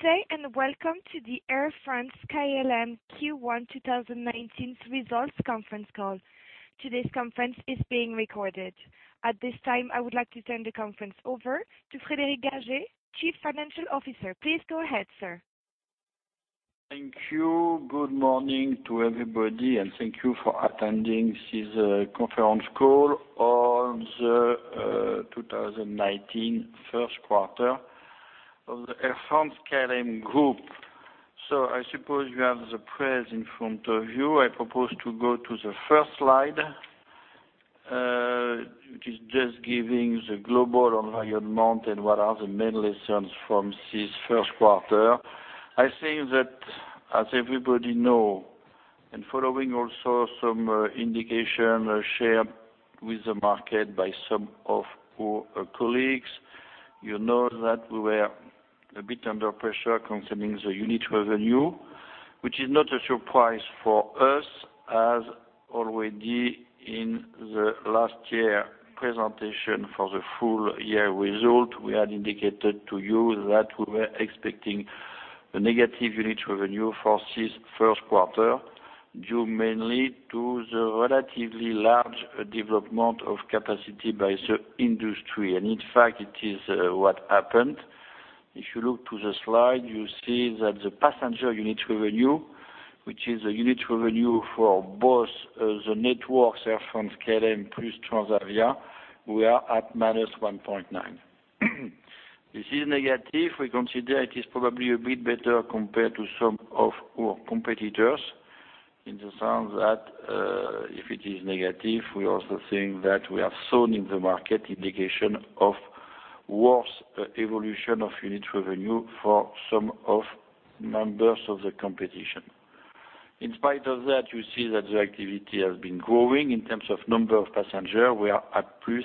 Good day and welcome to the Air France-KLM Q1 2019 results conference call. Today's conference is being recorded. At this time, I would like to turn the conference over to Frédéric Gagey, Chief Financial Officer. Please go ahead, sir. Thank you. Good morning to everybody, and thank you for attending this conference call on the 2019 first quarter of the Air France-KLM Group. I suppose you have the presentation in front of you. I propose to go to the first slide, which is just giving the global environment and what are the main lessons from this first quarter. I think that, as everybody knows, and following also some indication shared with the market by some of our colleagues, you know that we were a bit under pressure concerning the unit revenue, which is not a surprise for us, as already in the last year presentation for the full year result, we had indicated to you that we were expecting a negative unit revenue for this first quarter, due mainly to the relatively large development of capacity by the industry. In fact, it is what happened. If you look to the slide, you see that the passenger unit revenue, which is the unit revenue for both the networks, Air France-KLM, plus Transavia, we are at -1.9%. This is negative. We consider it is probably a bit better compared to some of our competitors, in the sense that if it is negative, we also think that we have seen in the market indication of worse evolution of unit revenue for some of members of the competition. In spite of that, you see that the activity has been growing. In terms of number of passengers, we are at +3%.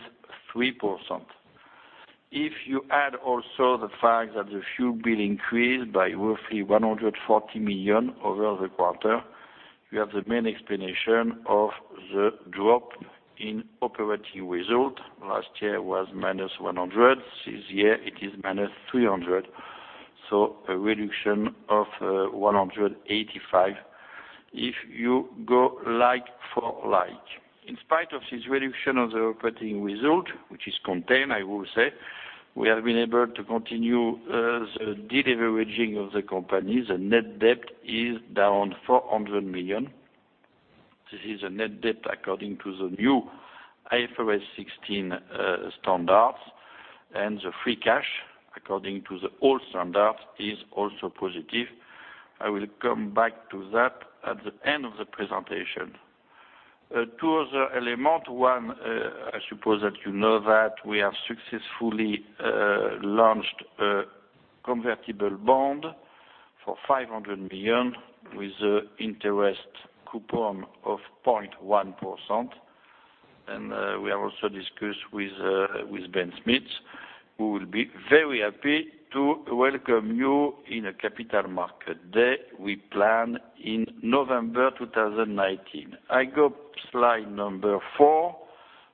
If you add also the fact that the fuel bill increased by roughly 140 million over the quarter, you have the main explanation of the drop in operating result. Last year was minus 100. This year it is minus 300. A reduction of 185, if you go like for like. In spite of this reduction of the operating result, which is contained, I will say, we have been able to continue the de-leveraging of the company. The net debt is down 400 million. This is a net debt according to the new IFRS 16 standards, and the free cash, according to the old standards, is also positive. I will come back to that at the end of the presentation. Two other elements. One, I suppose that you know that we have successfully launched a convertible bond for 500 million, with an interest coupon of 0.1%. We have also discussed with Ben Smith, who will be very happy to welcome you in a Capital Markets Day we plan in November 2019. I go slide number four,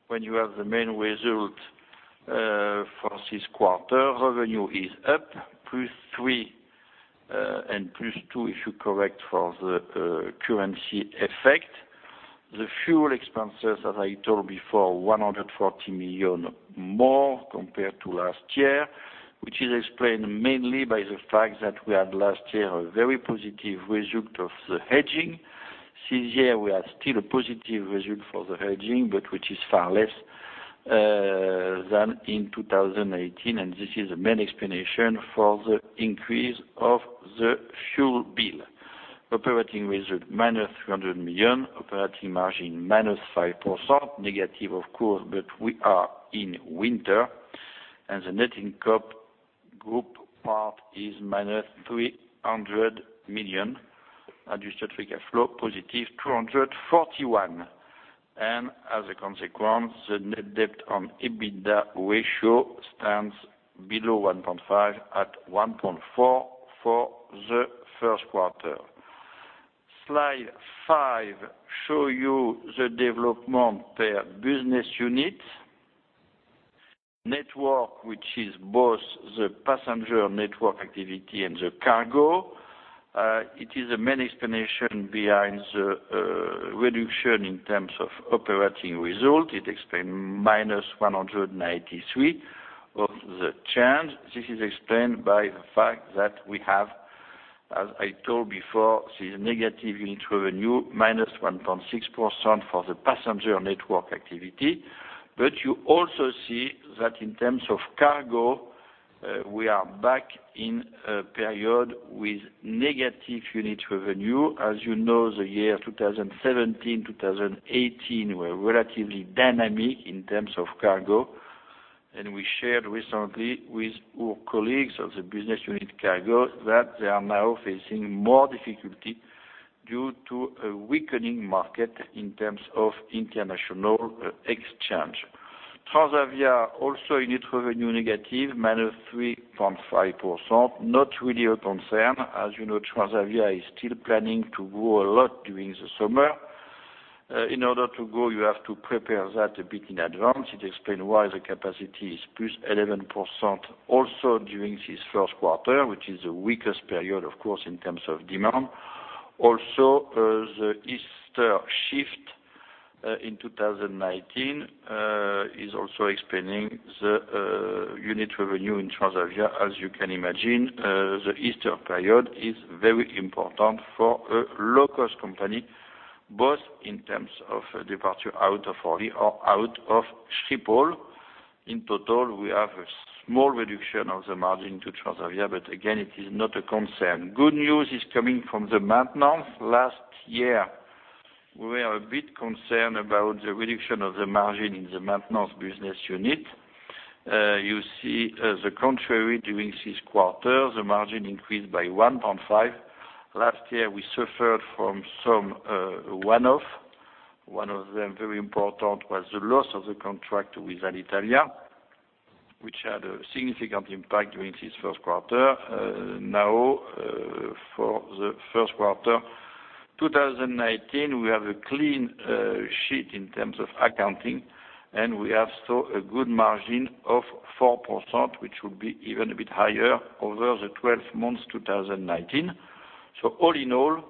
when you have the main result for this quarter. Revenue is up, +3% and +2% if you correct for the currency effect. The fuel expenses, as I told before, 140 million more compared to last year, which is explained mainly by the fact that we had last year a very positive result of the hedging. This year, we have still a positive result for the hedging, but which is far less than in 2018, this is the main explanation for the increase of the fuel bill. Operating result, minus 300 million. Operating margin, -5%. Negative, of course, but we are in winter. The net income group part is minus 300 million. Adjusted free cash flow, positive 241. As a consequence, the net debt on EBITDA ratio stands below 1.5, at 1.4 for the first quarter. Slide five shows you the development per business unit. Network, which is both the passenger network activity and the cargo. It is the main explanation behind the reduction in terms of operating result. It explains minus 193 of the change. This is explained by the fact that we have, as I told before, this negative unit revenue, -1.6% for the passenger network activity. You also see that in terms of cargo, we are back in a period with negative unit revenue. As you know, the year 2017, 2018, were relatively dynamic in terms of cargo. We shared recently with our colleagues of the business unit cargo that they are now facing more difficulty due to a weakening market in terms of international exchange. Transavia, also unit revenue negative, -3.5%, not really a concern. As you know, Transavia is still planning to grow a lot during the summer. In order to go, you have to prepare that a bit in advance. It explains why the capacity is +11% also during this first quarter, which is the weakest period, of course, in terms of demand. Also, the Easter shift in 2019 is also explaining the unit revenue in Transavia. As you can imagine, the Easter period is very important for a low-cost company, both in terms of departure out of Orly or out of Schiphol. In total, we have a small reduction of the margin to Transavia, but again, it is not a concern. Good news is coming from the maintenance. Last year, we were a bit concerned about the reduction of the margin in the maintenance business unit. You see the contrary during this quarter, the margin increased by 1.5. Last year, we suffered from some one-off. One of them, very important, was the loss of the contract with Alitalia, which had a significant impact during this first quarter. Now, for the first quarter 2019, we have a clean sheet in terms of accounting, and we have still a good margin of 4%, which will be even a bit higher over the 12 months, 2019. All in all,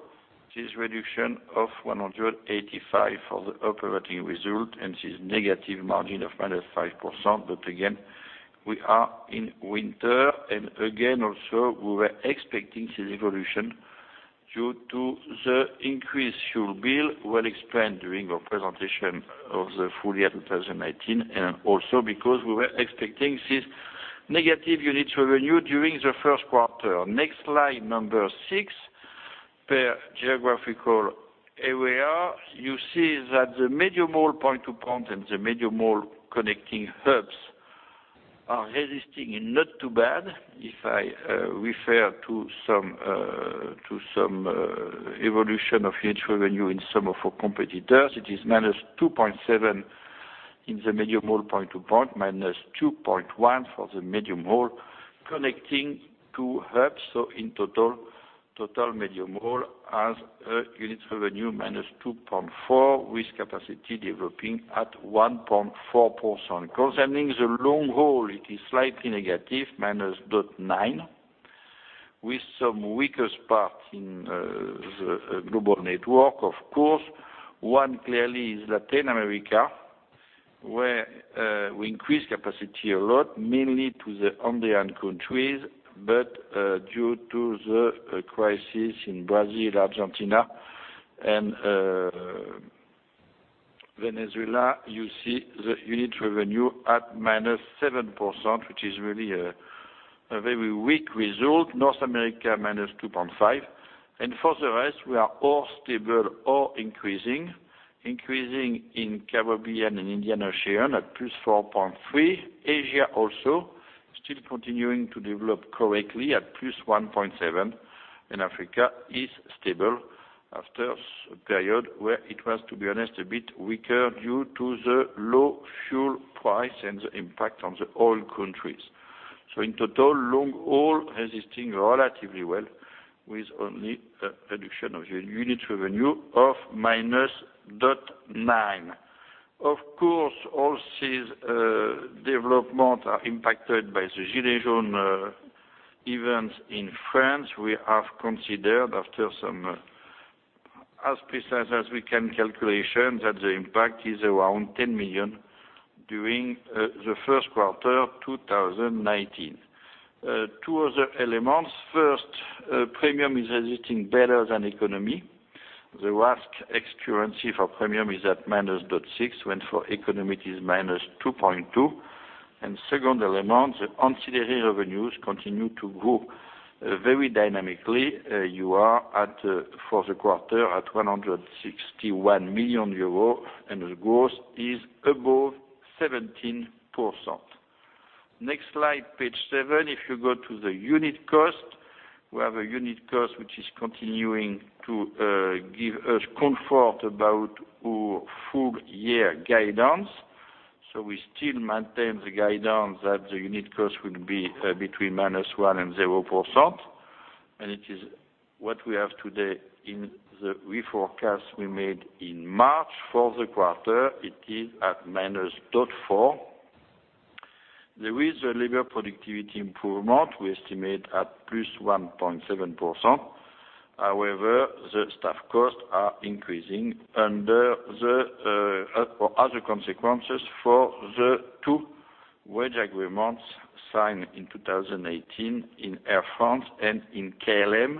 this reduction of 185 for the operating result, and this negative margin of -5%. Again, we are in winter. Again, also, we were expecting this evolution due to the increase fuel bill, we'll explain during our presentation of the full year 2019, and also because we were expecting this negative unit revenue during the first quarter. Next slide, number six. Per geographical area, you see that the medium haul point-to-point and the medium haul connecting hubs are resisting and not too bad. If I refer to some evolution of unit revenue in some of our competitors, it is minus 2.7 in the medium haul point-to-point, minus 2.1 for the medium haul connecting to hubs. In total, medium haul has a unit revenue minus 2.4, with capacity developing at 1.4%. Concerning the long haul, it is slightly negative, minus 0.9, with some weakest parts in the global network, of course. One clearly is Latin America, where we increase capacity a lot, mainly to the Andean countries, but due to the crisis in Brazil, Argentina, and Venezuela, you see the unit revenue at minus 7%, which is really a very weak result. North America, minus 2.5. For the rest, we are all stable or increasing. Increasing in Caribbean and Indian Ocean at plus 4.3. Asia also still continuing to develop correctly at plus 1.7, Africa is stable after a period where it was, to be honest, a bit weaker due to the low fuel price and the impact on the oil countries. In total, long haul resisting relatively well with only a reduction of unit revenue of minus 0.9. Of course, all these developments are impacted by the gilets jaunes events in France. We have considered, after some, as precise as we can, calculations, that the impact is around 10 million during the first quarter 2019. Two other elements. First, premium is resisting better than economy. The RASK ex-currency for premium is at minus 0.6, when for economy it is minus 2.2. Second element, the ancillary revenues continue to grow very dynamically. You are, for the quarter, at 161 million euros, the growth is above 17%. Next slide, page seven. If you go to the unit cost, we have a unit cost which is continuing to give us comfort about our full year guidance. We still maintain the guidance that the unit cost will be between minus one and 0%, it is what we have today in the reforecast we made in March for the quarter. It is at minus 0.4. There is a labor productivity improvement we estimate at plus 1.7%. However, the staff costs are increasing under the other consequences for the two wage agreements signed in 2018 in Air France and in KLM.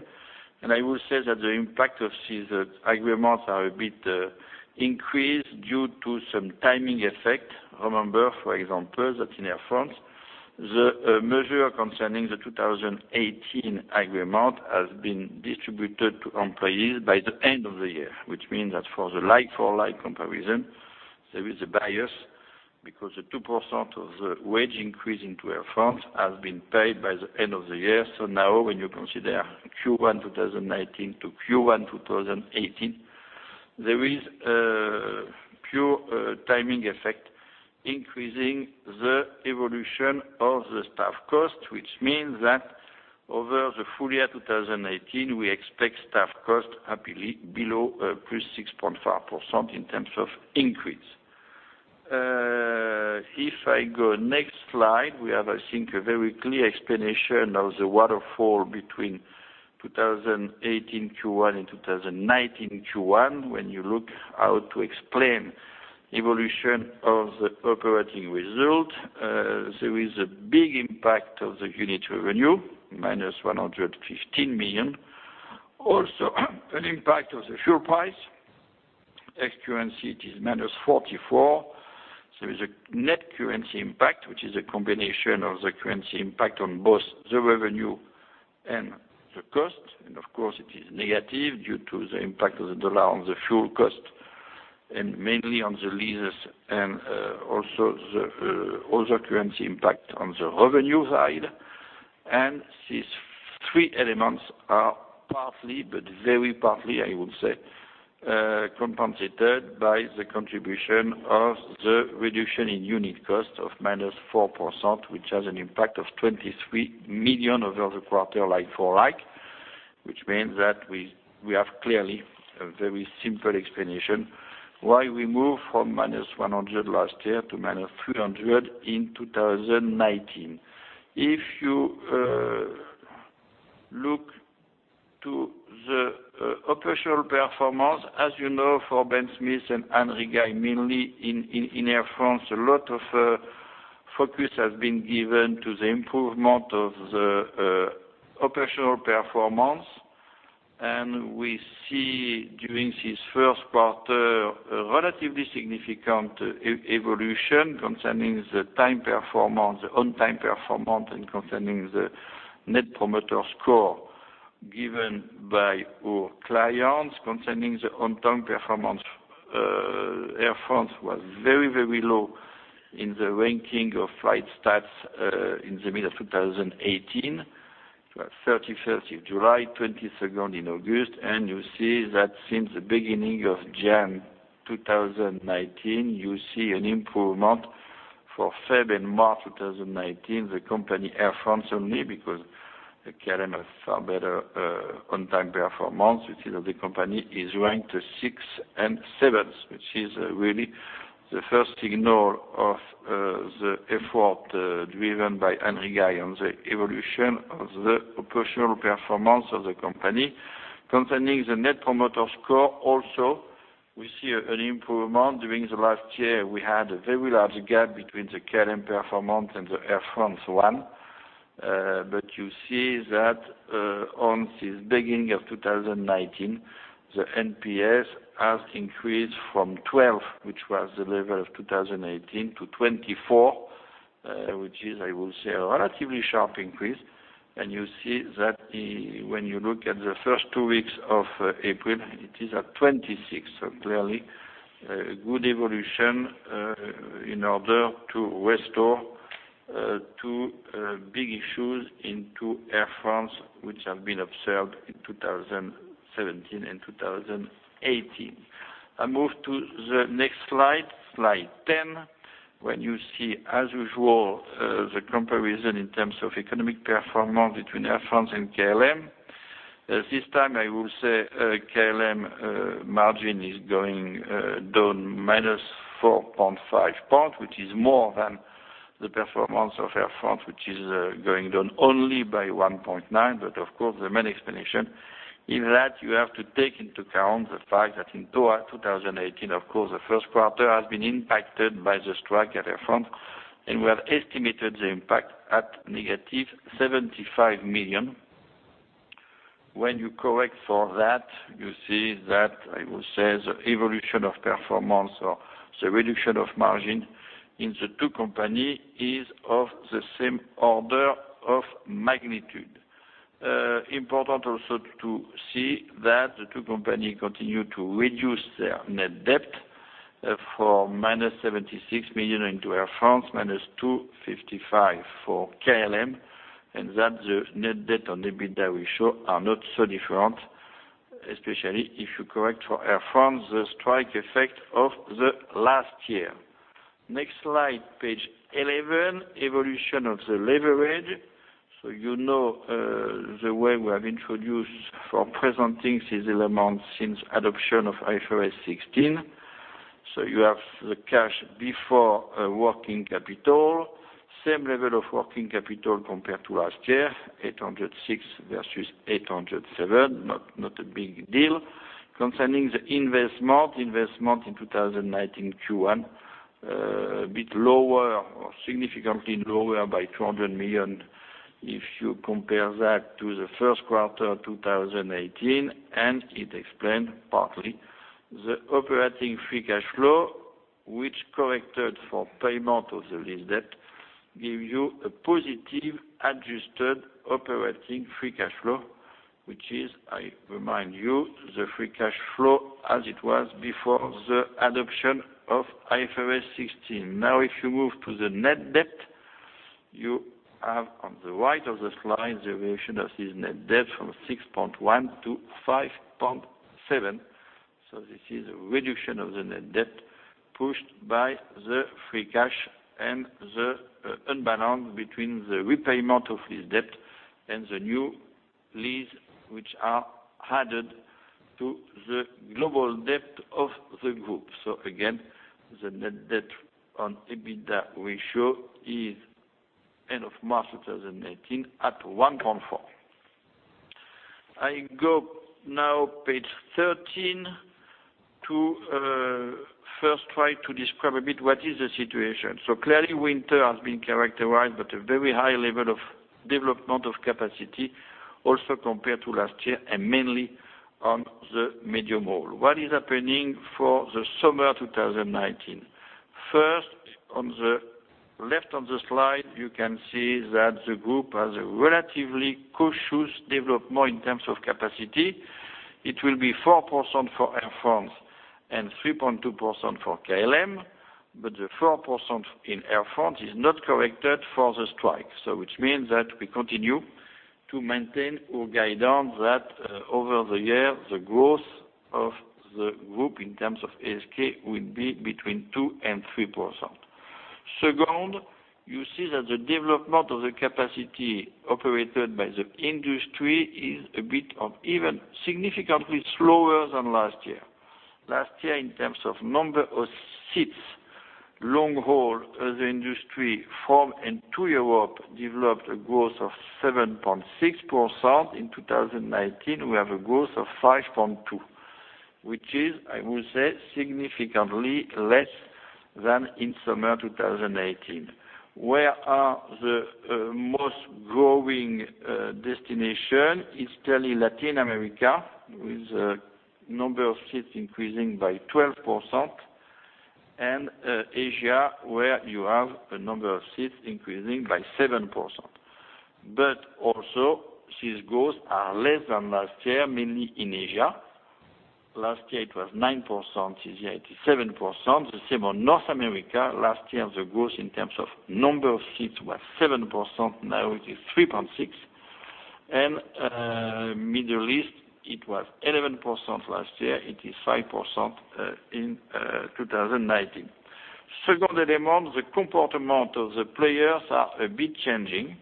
I will say that the impact of these agreements are a bit increased due to some timing effect. Remember, for example, that in Air France, the measure concerning the 2018 agreement has been distributed to employees by the end of the year. Which means that for the like-for-like comparison, there is a bias because the 2% of the wage increase into Air France has been paid by the end of the year. Now when you consider Q1 2019 to Q1 2018, there is a pure timing effect, increasing the evolution of the staff cost, which means that over the full year 2018, we expect staff cost happily below plus 6.5% in terms of increase. If I go next slide, we have, I think, a very clear explanation of the waterfall between 2018 Q1 and 2019 Q1. When you look how to explain evolution of the operating result, there is a big impact of the unit revenue, minus 115 million. An impact of the fuel price, ex currency, it is -44. There is a net currency impact, which is a combination of the currency impact on both the revenue and the cost. Of course, it is negative due to the impact of the dollar on the fuel cost, and mainly on the leases, and also the other currency impact on the revenue side. These three elements are partly, but very partly, I would say, compensated by the contribution of the reduction in unit cost of -0.4%, which has an impact of 23 million over the quarter like for like. We have clearly a very simple explanation why we move from -100 last year to -300 in 2019. If you look to the operational performance, as you know, for Ben Smith and Anne Rigail, mainly in Air France, a lot of focus has been given to the improvement of the operational performance. We see, during this first quarter, a relatively significant evolution concerning the time performance, on-time performance, and concerning the Net Promoter Score given by our clients. Concerning the on-time performance, Air France was very, very low in the ranking of FlightStats in the middle of 2018, 31st of July, 22nd in August. You see that since the beginning of January 2019, you see an improvement for February and March 2019, the company Air France only, because KLM has far better on-time performance, which is the company is ranked sixth and seventh, which is really the first signal of the effort driven by Anne Rigail on the evolution of the operational performance of the company. Concerning the Net Promoter Score, also, we see an improvement. During the last year, we had a very large gap between the KLM performance and the Air France one. You see that on the beginning of 2019, the NPS has increased from 12, which was the level of 2018, to 24, which is, I will say, a relatively sharp increase. You see that when you look at the first two weeks of April, it is at 26. Clearly, a good evolution in order to restore two big issues into Air France, which have been observed in 2017 and 2018. I move to the next slide 10. When you see, as usual, the comparison in terms of economic performance between Air France and KLM. This time, I will say KLM margin is going down -4.5 percentage points, which is more than the performance of Air France, which is going down only by 1.9 percentage points. Of course, the main explanation in that you have to take into account the fact that in 2018, of course, the first quarter has been impacted by the strike at Air France, we have estimated the impact at -75 million. When you correct for that, you see that, I will say, the evolution of performance or the reduction of margin in the two companies is of the same order of magnitude. Important also to see that the two companies continue to reduce their net debt for minus 76 million for Air France, minus 255 million for KLM, and that the net debt on EBITDA we show are not so different, especially if you correct for Air France, the strike effect of the last year. Next slide, page 11, evolution of the leverage. You know the way we have introduced for presenting this element since adoption of IFRS 16. You have the cash before working capital. Same level of working capital compared to last year, 806 million versus 807 million, not a big deal. Concerning the investment in 2019 Q1, a bit lower or significantly lower by 200 million, if you compare that to the first quarter 2018. It explained partly the operating free cash flow, which corrected for payment of the lease debt, give you a positive adjusted operating free cash flow, which is, I remind you, the free cash flow as it was before the adoption of IFRS 16. If you move to the net debt. You have on the right of the slide, the variation of this net debt from 6.1 billion to 5.7 billion. This is a reduction of the net debt pushed by the free cash and the unbalance between the repayment of this debt and the new lease, which are added to the global debt of the group. Again, the net debt on EBITDA ratio is end of March 2019 at 1.4. I go now page 13 to first try to describe a bit what is the situation. Clearly, winter has been characterized by a very high level of development of capacity also compared to last year and mainly on the medium haul. What is happening for the summer 2019? First, on the left of the slide, you can see that the group has a relatively cautious development in terms of capacity. It will be 4% for Air France and 3.2% for KLM, but the 4% in Air France is not corrected for the strike. Which means that we continue to maintain our guidance that over the year, the growth of the group in terms of ASK will be between 2% and 3%. Second, you see that the development of the capacity operated by the industry is a bit of even significantly slower than last year. Last year, in terms of number of seats, long-haul as an industry from and to Europe developed a growth of 7.6%. In 2019, we have a growth of 5.2%, which is, I would say, significantly less than in summer 2018. Where are the most growing destinations? It's clearly Latin America, with number of seats increasing by 12%, and Asia, where you have a number of seats increasing by 7%. Also, these growths are less than last year, mainly in Asia. Last year it was 9%. This year it is 7%. The same on North America. Last year, the growth in terms of number of seats was 7%. Now it is 3.6%. Middle East, it was 11% last year. It is 5% in 2019. Second element, the comportment of the players are a bit changing.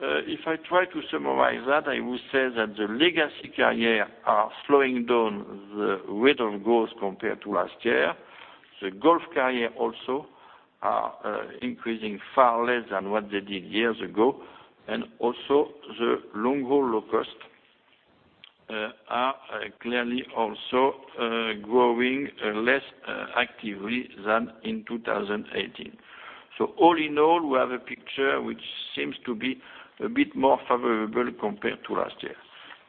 I would say that the legacy carrier are slowing down the rate of growth compared to last year. Gulf carrier also are increasing far less than what they did years ago, and also the long-haul low cost are clearly also growing less actively than in 2018. All in all, we have a picture which seems to be a bit more favorable compared to last year.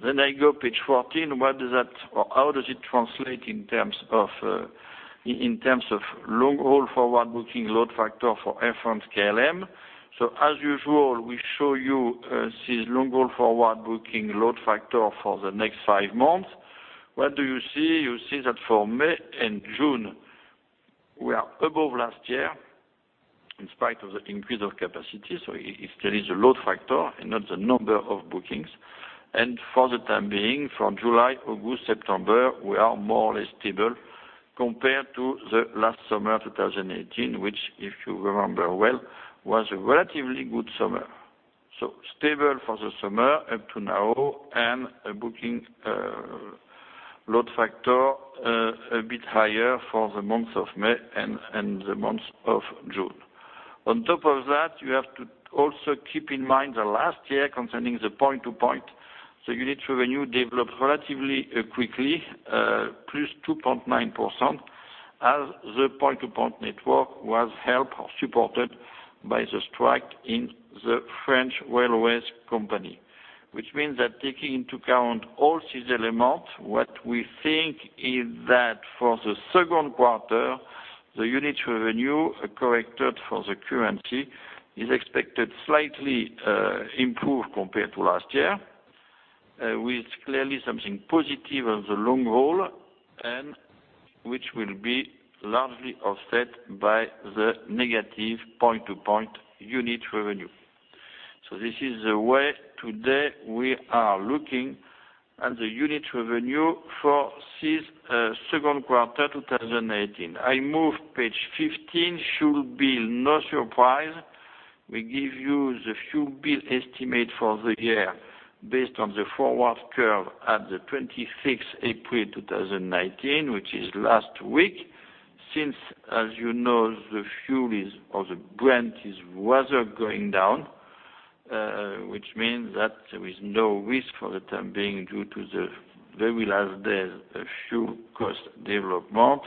I go page 14. How does it translate in terms of long-haul forward booking load factor for Air France-KLM? As usual, we show you this long-haul forward booking load factor for the next five months. What do you see? You see that for May and June, we are above last year in spite of the increase of capacity. It carries a load factor and not the number of bookings. For the time being, from July, August, September, we are more or less stable compared to the last summer 2018, which, if you remember well, was a relatively good summer. Stable for the summer up to now, and a booking load factor a bit higher for the month of May and the month of June. On top of that, you have to also keep in mind that last year, concerning the point-to-point, the unit revenue developed relatively quickly, +2.9%, as the point-to-point network was helped or supported by the strike in the French railways company. Taking into account all these elements, what we think is that for the second quarter, the unit revenue corrected for the currency is expected slightly improved compared to last year, with clearly something positive on the long haul and which will be largely offset by the negative point-to-point unit revenue. This is the way today we are looking at the unit revenue for this second quarter 2019. I move page 15, should be no surprise. We give you the fuel bill estimate for the year based on the forward curve at the 26th April 2019, which is last week. As you know, the fuel is, or the Brent is rather going down, which means that there is no risk for the time being due to the very last days fuel cost development.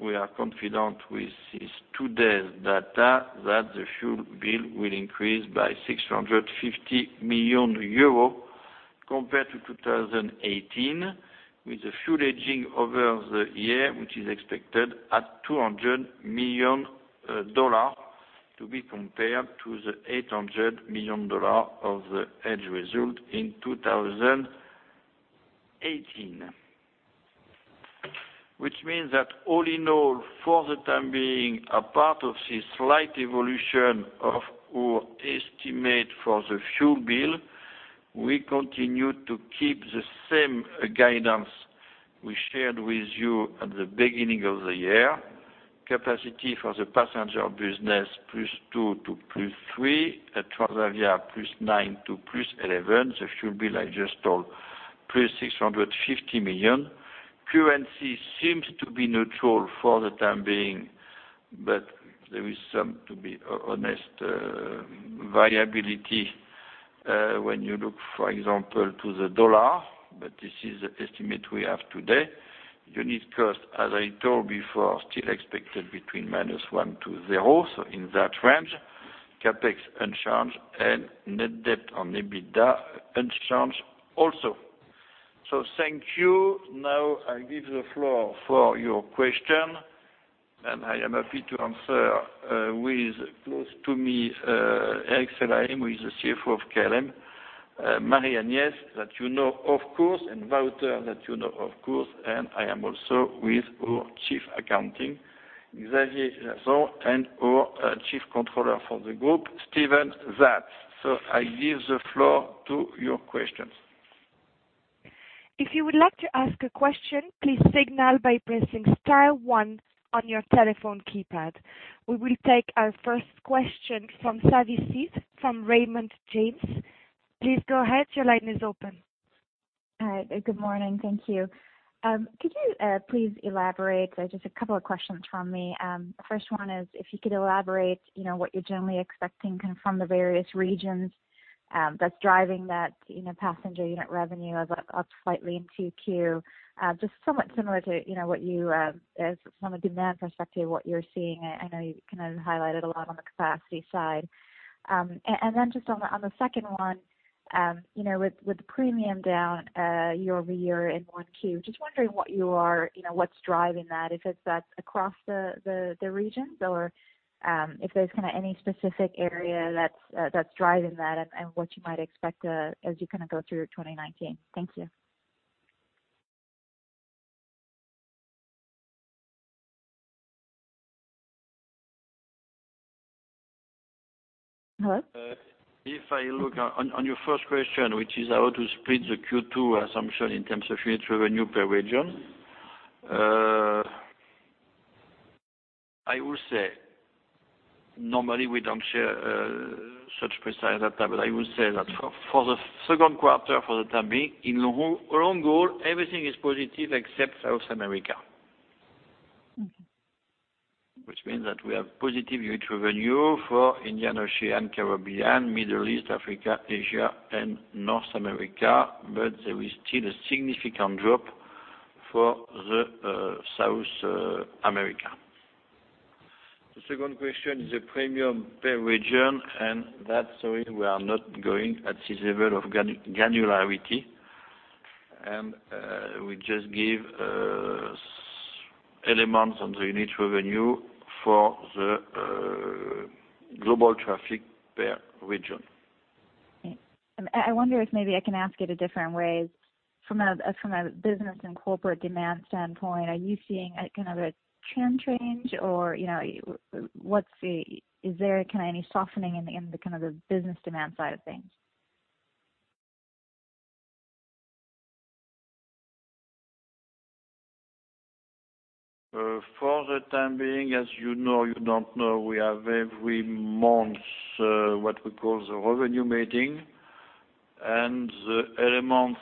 We are confident with this today's data that the fuel bill will increase by 650 million euros compared to 2018, with the fuel hedging over the year, which is expected at $200 million to be compared to the $800 million of the hedge result in 2018. All in all, for the time being, apart of this slight evolution of our estimate for the fuel bill, we continue to keep the same guidance we shared with you at the beginning of the year. Capacity for the passenger business, +2 to +3. At Transavia, +9 to +11. The fuel bill, like I just told, +650 million. Currency seems to be neutral for the time being, but there is some, to be honest, variability when you look, for example, to the dollar, but this is the estimate we have today. Unit cost, as I told before, still expected between -1% to 0%, so in that range. CapEx, unchanged, and Net Debt on EBITDA, unchanged also. Thank you. I give the floor for your question, and I am happy to answer with close to me, Erik Swelheim, who is the CFO of KLM. Marie-Agnès, that you know, of course, and Wouter, that you know, of course. I am also with our Chief Accounting, Xavier Lazon, and our Chief Controller for the group, Steven Zaat. I give the floor to your questions. If you would like to ask a question, please signal by pressing star one on your telephone keypad. We will take our first question from Savi Syth from Raymond James. Please go ahead. Your line is open. Hi. Good morning. Thank you. Could you please elaborate, just a couple of questions from me. First one is, if you could elaborate what you're generally expecting from the various regions that's driving that passenger unit revenue up slightly in 2Q. Just somewhat similar to some of demand perspective, what you're seeing. I know you kind of highlighted a lot on the capacity side. Then just on the second one, with the premium down year-over-year in 1Q, just wondering what's driving that. If that's across the regions, or if there's any specific area that's driving that and what you might expect as you go through 2019. Thank you. Hello? If I look, on your first question, which is how to split the Q2 assumption in terms of unit revenue per region. I would say, normally we don't share such precise data, but I would say that for the second quarter, for the time being, in the long haul, everything is positive except South America. Okay. We have positive unit revenue for Indian Ocean, Caribbean, Middle East, Africa, Asia, and North America, but there is still a significant drop for South America. The second question is the premium per region, sorry, we are not going at this level of granularity. We just give elements on the unit revenue for the global traffic per region. Okay. I wonder if maybe I can ask it a different way. From a business and corporate demand standpoint, are you seeing a kind of a trend change? Is there any softening in the business demand side of things? For the time being, as you know, you don't know, we have every month, what we call the revenue meeting. The element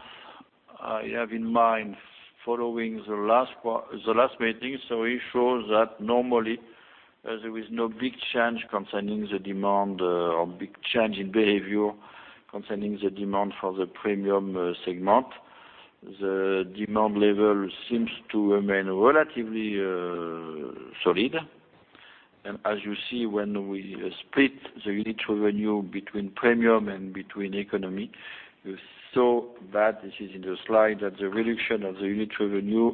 I have in mind following the last meeting, it shows that normally there is no big change concerning the demand, big change in behavior concerning the demand for the premium segment. The demand level seems to remain relatively solid. As you see, when we split the unit revenue between premium and between economy, you saw that, this is in the slide, that the reduction of the unit revenue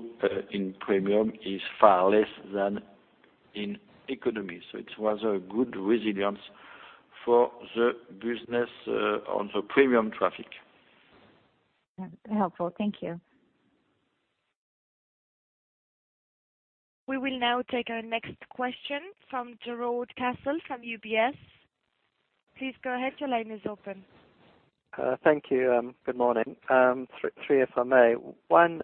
in premium is far less than in economy. It was a good resilience for the business on the premium traffic. Yeah. Helpful. Thank you. We will now take our next question from Jarrod Castle from UBS. Please go ahead, your line is open. Thank you. Good morning. Three, if I may. One,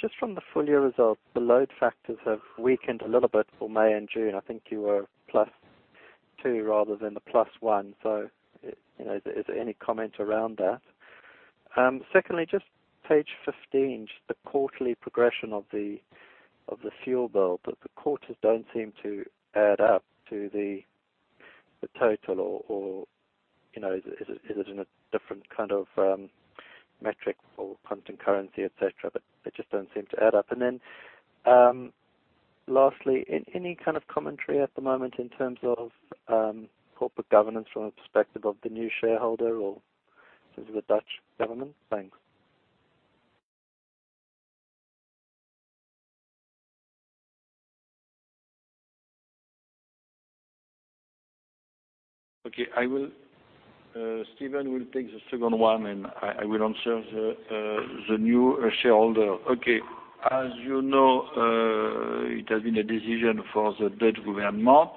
just from the full year results, the load factors have weakened a little bit for May and June. I think you were a plus two rather than the plus one. Is there any comment around that? Secondly, just page 15, just the quarterly progression of the fuel bill. The quarters don't seem to add up to the total, or is it in a different kind of metric for constant currency, et cetera? They just don't seem to add up. Lastly, any kind of commentary at the moment in terms of corporate governance from a perspective of the new shareholder or since the Dutch government? Thanks. Okay. Steven Zaat will take the second one, I will answer the new shareholder. Okay. As you know, it has been a decision for the Dutch government,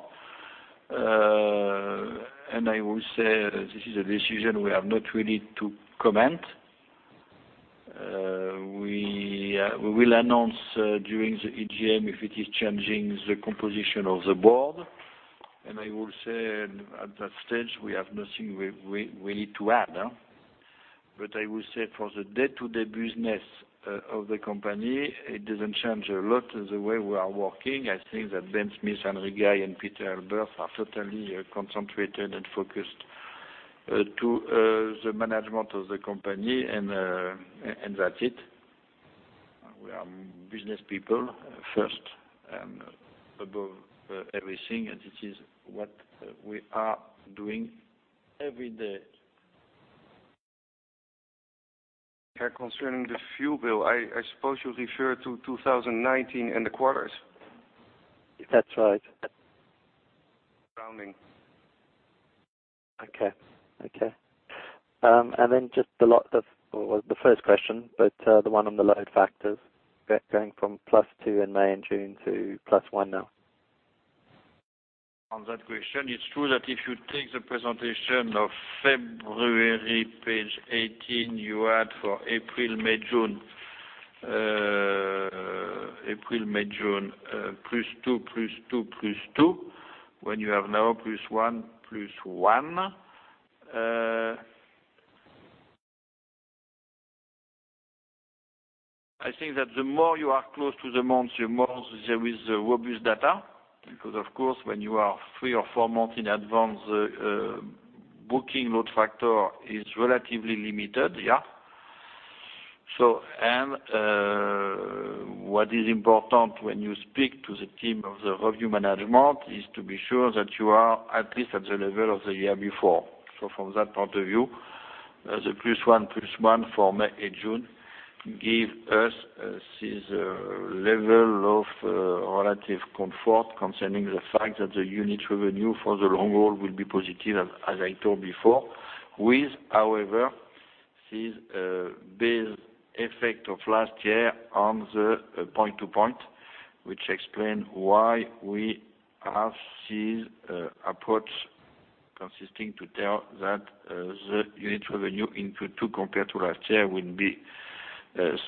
this is a decision we have not really to comment. We will announce during the AGM if it is changing the composition of the board. At that stage, we have nothing we need to add. For the day-to-day business of the company, it doesn't change a lot the way we are working. I think that Ben Smith, Anne Rigail and Pieter Elbers are totally concentrated and focused to the management of the company, that's it. We are business people first and above everything, it is what we are doing every day. Concerning the fuel bill, I suppose you refer to 2019 and the quarters. That's right. Surrounding. Okay. Just the first question, but the one on the load factors going from +2 in May and June to +1 now. On that question, it's true that if you take the presentation of February, page 18, you had for April, May, June, +2, +2, +2, when you have now +1, +1. I think that the more you are close to the month, the more there is robust data. Because of course, when you are three or four months in advance, booking load factor is relatively limited, yeah? What is important when you speak to the team of the revenue management is to be sure that you are at least at the level of the year before. From that point of view, the +1, +1 for May and June give us this level of relative comfort concerning the fact that the unit revenue for the long haul will be positive, as I told before, with, however, this base effect of last year on the point to point, which explain why we have this approach consisting to tell that the unit revenue in Q2 compared to last year will be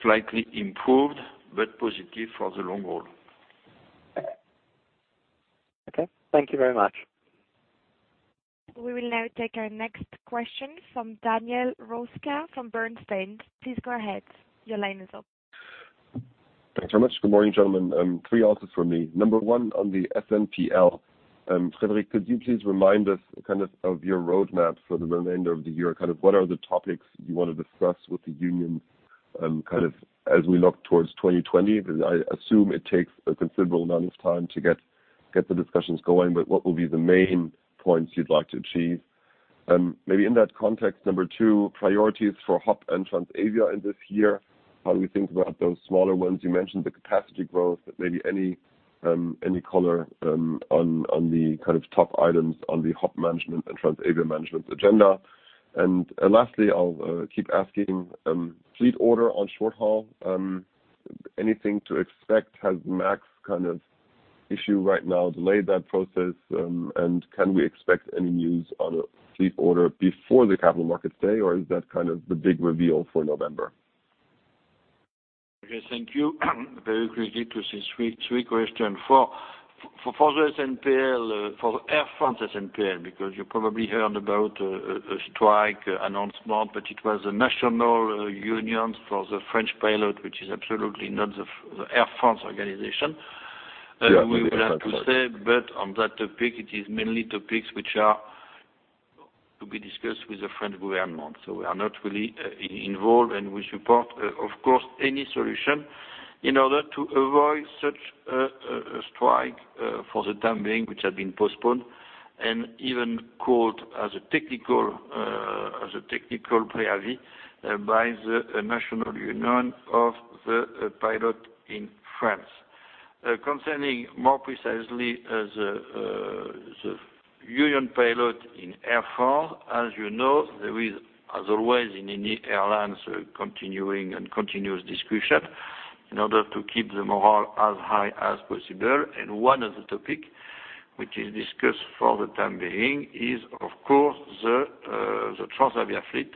slightly improved but positive for the long haul. Okay. Thank you very much. We will now take our next question from Daniel Roeska from Bernstein. Please go ahead. Your line is open. Thanks very much. Good morning, gentlemen. Three answers from me. Number one, on the SNPL. Frédéric, could you please remind us, kind of your roadmap for the remainder of the year, what are the topics you want to discuss with the union, kind of as we look towards 2020? Because I assume it takes a considerable amount of time to get the discussions going, but what will be the main points you'd like to achieve? Maybe in that context, Number two, priorities for HOP! and Transavia in this year, how do we think about those smaller ones? You mentioned the capacity growth, but maybe any color on the kind of top items on the HOP! management and Transavia management agenda. Lastly, I'll keep asking, fleet order on short haul, anything to expect? Has MAX kind of issue right now delayed that process, and can we expect any news on a fleet order before the Capital Markets Day, or is that kind of the big reveal for November? Okay, thank you. Very quickly to these three question. For Air France SNPL, you probably heard about a strike announcement, it was a national union for the French pilot, which is absolutely not the Air France organization. Yeah. We would like to say, on that topic, it is mainly topics which are to be discussed with the French government. We are not really involved, we support, of course, any solution in order to avoid such a strike for the time being, which had been postponed and even called as a technical pre-avis by the national union of the pilot in France. Concerning more precisely the union pilot in Air France, as you know, there is, as always, in any airlines, continuing and continuous discussion in order to keep the morale as high as possible. One of the topic which is discussed for the time being is, of course, the Transavia fleet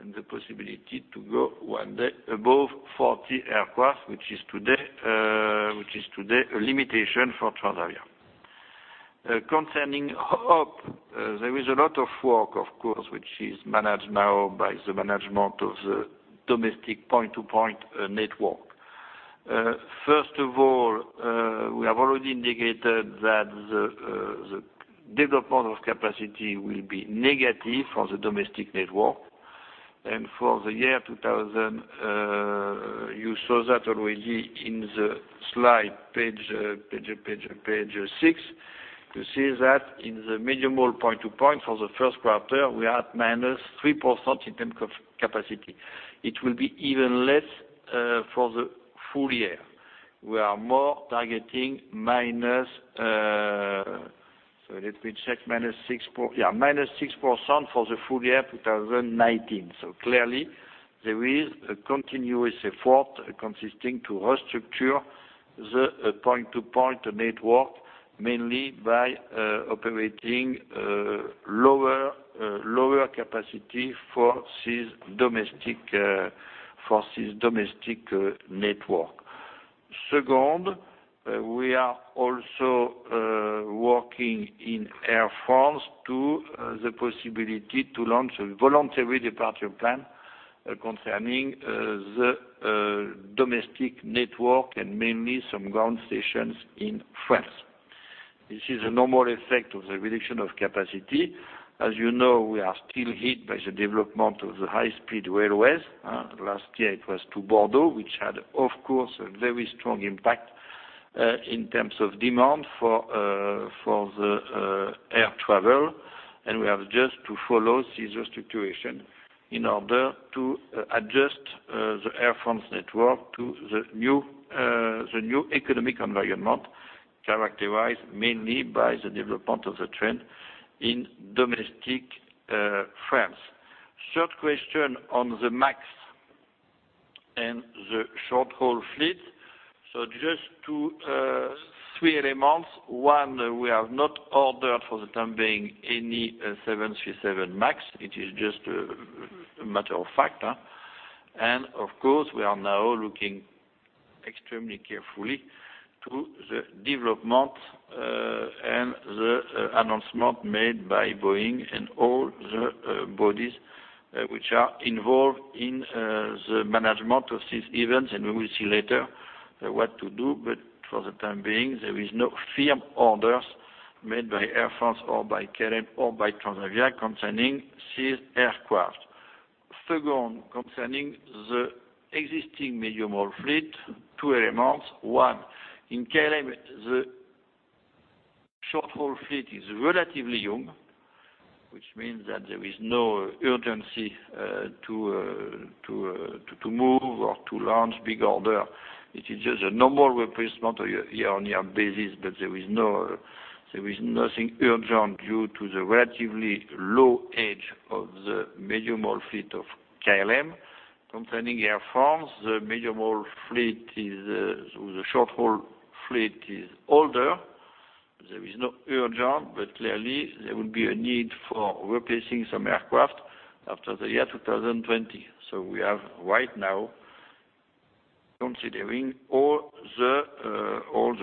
and the possibility to go one day above 40 aircraft, which is today a limitation for Transavia. Concerning HOP!, there is a lot of work, of course, which is managed now by the management of the domestic point-to-point network. First of all, we have already indicated that the development of capacity will be negative for the domestic network. For the year 2000, you saw that already in the slide, page six. You see that in the medium haul point to point for the first quarter, we had minus 3% in term of capacity. It will be even less for the full year. We are more targeting minus, let me check, yes, minus 6% for the full year 2019. Clearly, there is a continuous effort consisting to restructure the point-to-point network, mainly by operating lower capacity for this domestic network. Second, we are also working in Air France to the possibility to launch a voluntary departure plan concerning the domestic network and mainly some ground stations in France. This is a normal effect of the reduction of capacity. As you know, we are still hit by the development of the high-speed railways. Last year it was to Bordeaux, which had, of course, a very strong impact, in terms of demand for the air travel. We have just to follow this situation in order to adjust the Air France network to the new economic environment, characterized mainly by the development of the train in domestic France. Third question on the MAX and the short-haul fleet. Just three elements. One, we have not ordered for the time being any 737 MAX. It is just a matter of fact. Of course, we are now looking extremely carefully to the development and the announcement made by Boeing and all the bodies which are involved in the management of these events, and we will see later what to do. For the time being, there is no firm orders made by Air France or by KLM or by Transavia concerning these aircraft. Second, concerning the existing medium-haul fleet, two elements. One, in KLM, the short-haul fleet is relatively young, which means that there is no urgency to move or to launch big order. It is just a normal replacement year-on-year basis, but there is nothing urgent due to the relatively low age of the medium-haul fleet of KLM. Concerning Air France, the short-haul fleet is older. There is no urgent, but clearly there will be a need for replacing some aircraft after the year 2020. We are right now considering all the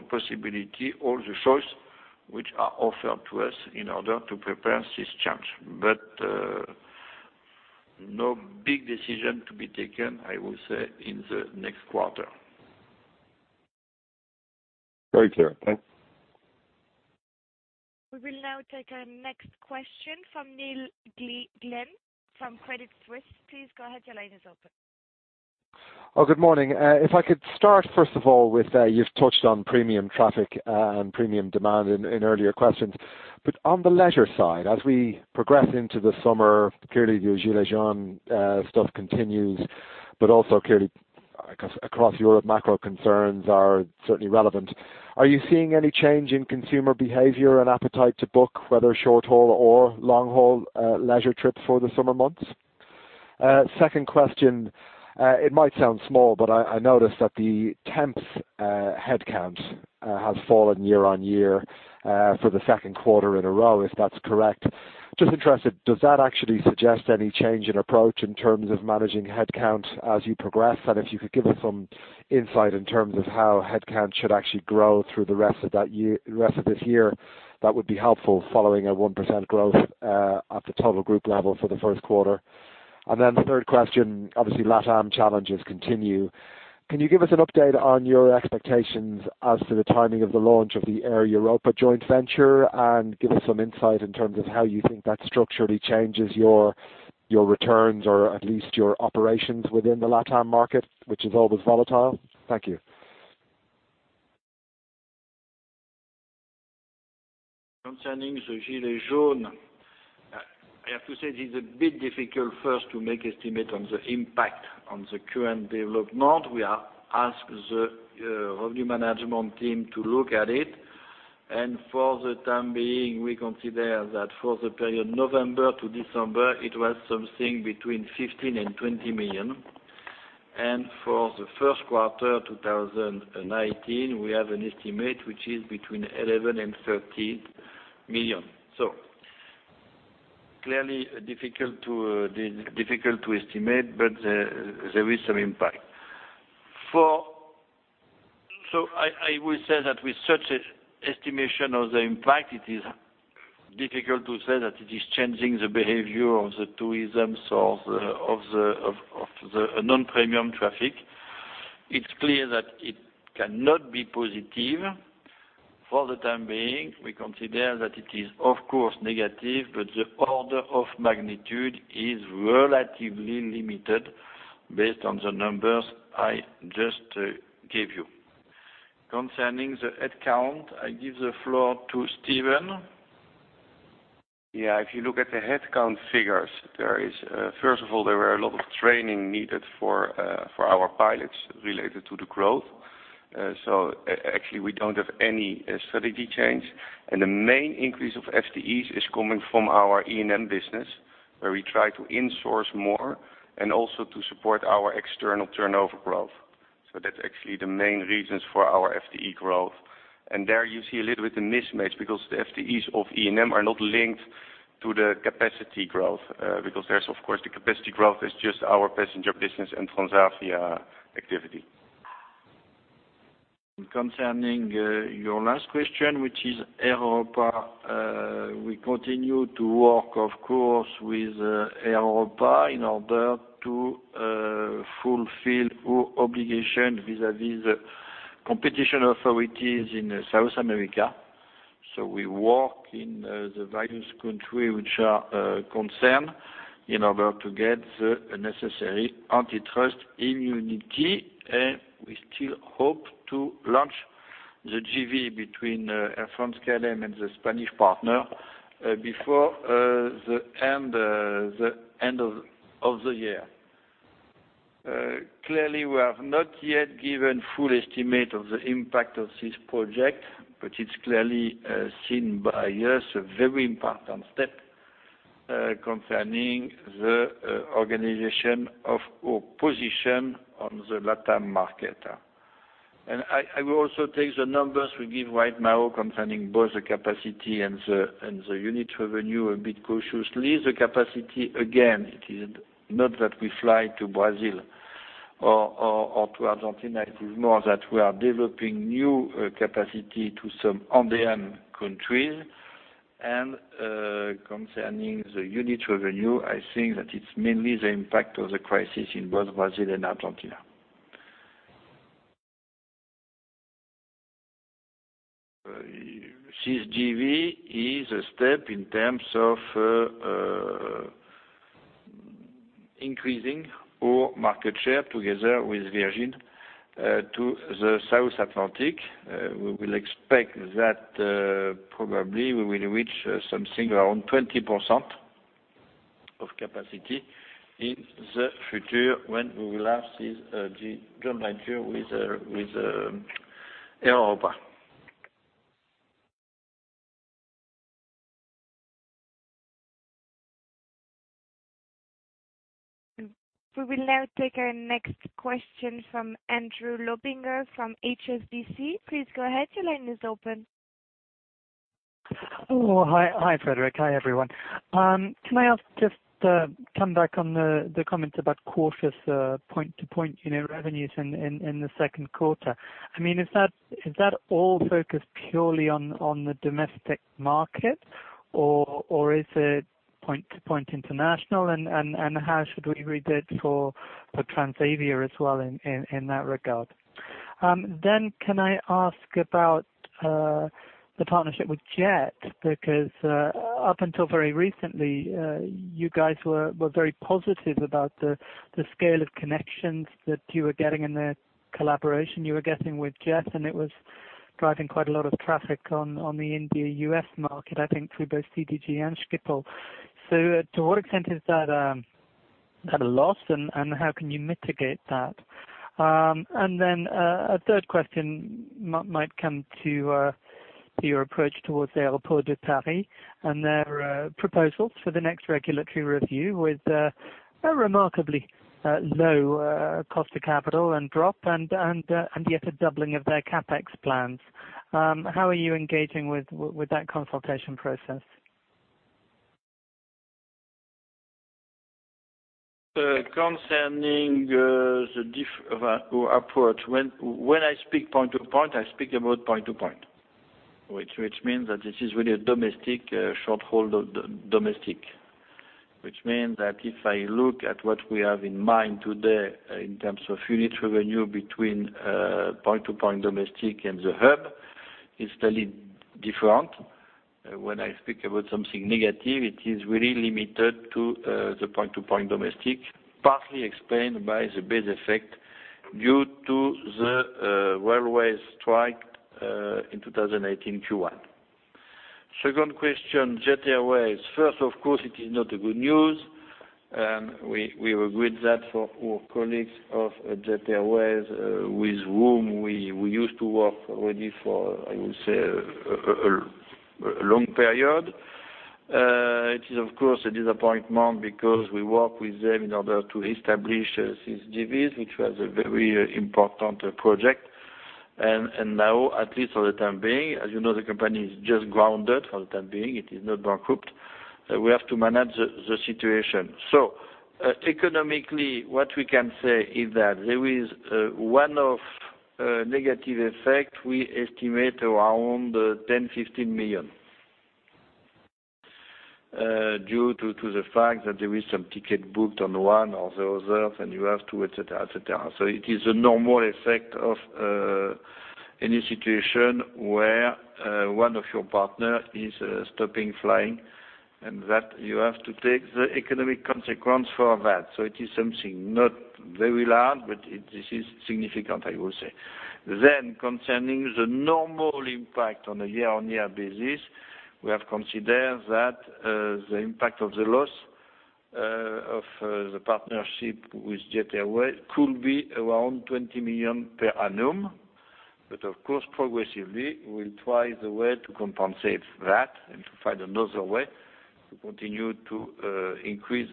possibility, all the choices which are offered to us in order to prepare this change. No big decision to be taken, I will say, in the next quarter. Very clear. Thanks. We will now take our next question from Neil Glynn from Credit Suisse. Please go ahead. Your line is open. Good morning. If I could start, first of all, with, you've touched on premium traffic and premium demand in earlier questions, but on the leisure side, as we progress into the summer, clearly the gilets jaunes stuff continues, but also clearly across Europe, macro concerns are certainly relevant. Are you seeing any change in consumer behavior and appetite to book, whether short-haul or long-haul, leisure trips for the summer months? Second question, it might sound small, but I noticed that the temp headcount has fallen year-over-year for the second quarter in a row, if that's correct. Just interested, does that actually suggest any change in approach in terms of managing headcount as you progress? If you could give us some insight in terms of how headcount should actually grow through the rest of this year, that would be helpful following a 1% growth at the total group level for the first quarter. The third question, obviously LATAM challenges continue. Can you give us an update on your expectations as to the timing of the launch of the Air Europa joint venture and give us some insight in terms of how you think that structurally changes your returns or at least your operations within the LATAM market, which is always volatile? Thank you. Concerning the gilets jaunes, I have to say it is a bit difficult first to make estimate on the impact on the current development. We have asked the revenue management team to look at it. For the time being, we consider that for the period November to December, it was something between 15 million and 20 million. For the first quarter 2019, we have an estimate which is between 11 million and 13 million. Clearly difficult to estimate, but there is some impact. I will say that with such estimation of the impact, it is difficult to say that it is changing the behavior of the tourism of the non-premium traffic. It's clear that it cannot be positive for the time being. We consider that it is, of course, negative, but the order of magnitude is relatively limited based on the numbers I just gave you. Concerning the headcount, I give the floor to Steven. Yeah. If you look at the headcount figures, first of all, there were a lot of training needed for our pilots related to the growth. Actually, we don't have any strategy change. The main increase of FTEs is coming from our E&M business, where we try to insource more and also to support our external turnover growth. That's actually the main reasons for our FTE growth. There you see a little bit the mismatch because the FTEs of E&M are not linked to the capacity growth, because the capacity growth is just our passenger business and Transavia activity. Concerning your last question, which is Air Europa. We continue to work, of course, with Air Europa in order to fulfill our obligation vis-a-vis the competition authorities in South America. We work in the various country which are concerned in order to get the necessary antitrust immunity. We still hope to launch the JV between Air France-KLM and the Spanish partner before the end of the year. Clearly, we have not yet given full estimate of the impact of this project, but it's clearly seen by us, a very important step concerning the organization of our position on the LATAM market. I will also take the numbers we give right now concerning both the capacity and the unit revenue a bit cautiously. The capacity, again, it is not that we fly to Brazil or to Argentina. It is more that we are developing new capacity to some Andean countries. Concerning the unit revenue, I think that it's mainly the impact of the crisis in both Brazil and Argentina. This JV is a step in terms of increasing our market share together with Virgin to the South Atlantic. We will expect that probably we will reach something around 20% of capacity in the future when we will have this joint venture with Air Europa. We will now take our next question from Andrew Lobbenberg from HSBC. Please go ahead. Your line is open. Hello. Hi, Frédéric. Hi, everyone. Can I ask, just come back on the comment about cautious point-to-point revenues in the second quarter. Is that all focused purely on the domestic market or is it point-to-point international, and how should we read that for Transavia as well in that regard? Can I ask about the partnership with Jet? Up until very recently, you guys were very positive about the scale of connections that you were getting and the collaboration you were getting with Jet, and it was driving quite a lot of traffic on the India-U.S. market, I think through both CDG and Schiphol. To what extent is that a loss, and how can you mitigate that? A third question might come to your approach towards Aéroports de Paris and their proposals for the next regulatory review with a remarkably low cost of capital and drop, and yet a doubling of their CapEx plans. How are you engaging with that consultation process? Concerning the approach, when I speak point-to-point, I speak about point-to-point, which means that this is really a short-haul domestic. Which means that if I look at what we have in mind today in terms of unit revenue between point-to-point domestic and the hub, it is totally different. When I speak about something negative, it is really limited to the point-to-point domestic, partly explained by the base effect due to the railway strike in 2018 Q1. Second question, Jet Airways. First, of course, it is not good news. We regret that for our colleagues of Jet Airways, with whom we used to work already for, I would say, a long period. It is, of course, a disappointment because we work with them in order to establish this JV, which was a very important project. Now, at least for the time being, as you know, the company is just grounded for the time being. It is not bankrupt. We have to manage the situation. Economically, what we can say is that there is one of negative effect, we estimate around EUR 10 million-EUR 15 million due to the fact that there is some ticket booked on one or the other. It is a normal effect of any situation where one of your partner is stopping flying, and that you have to take the economic consequence for that. It is something not very large, but this is significant, I will say. Concerning the normal impact on a year-on-year basis, we have considered that the impact of the loss of the partnership with Jet Airways could be around 20 million per annum. Of course, progressively, we'll try the way to compensate that and to find another way to continue to increase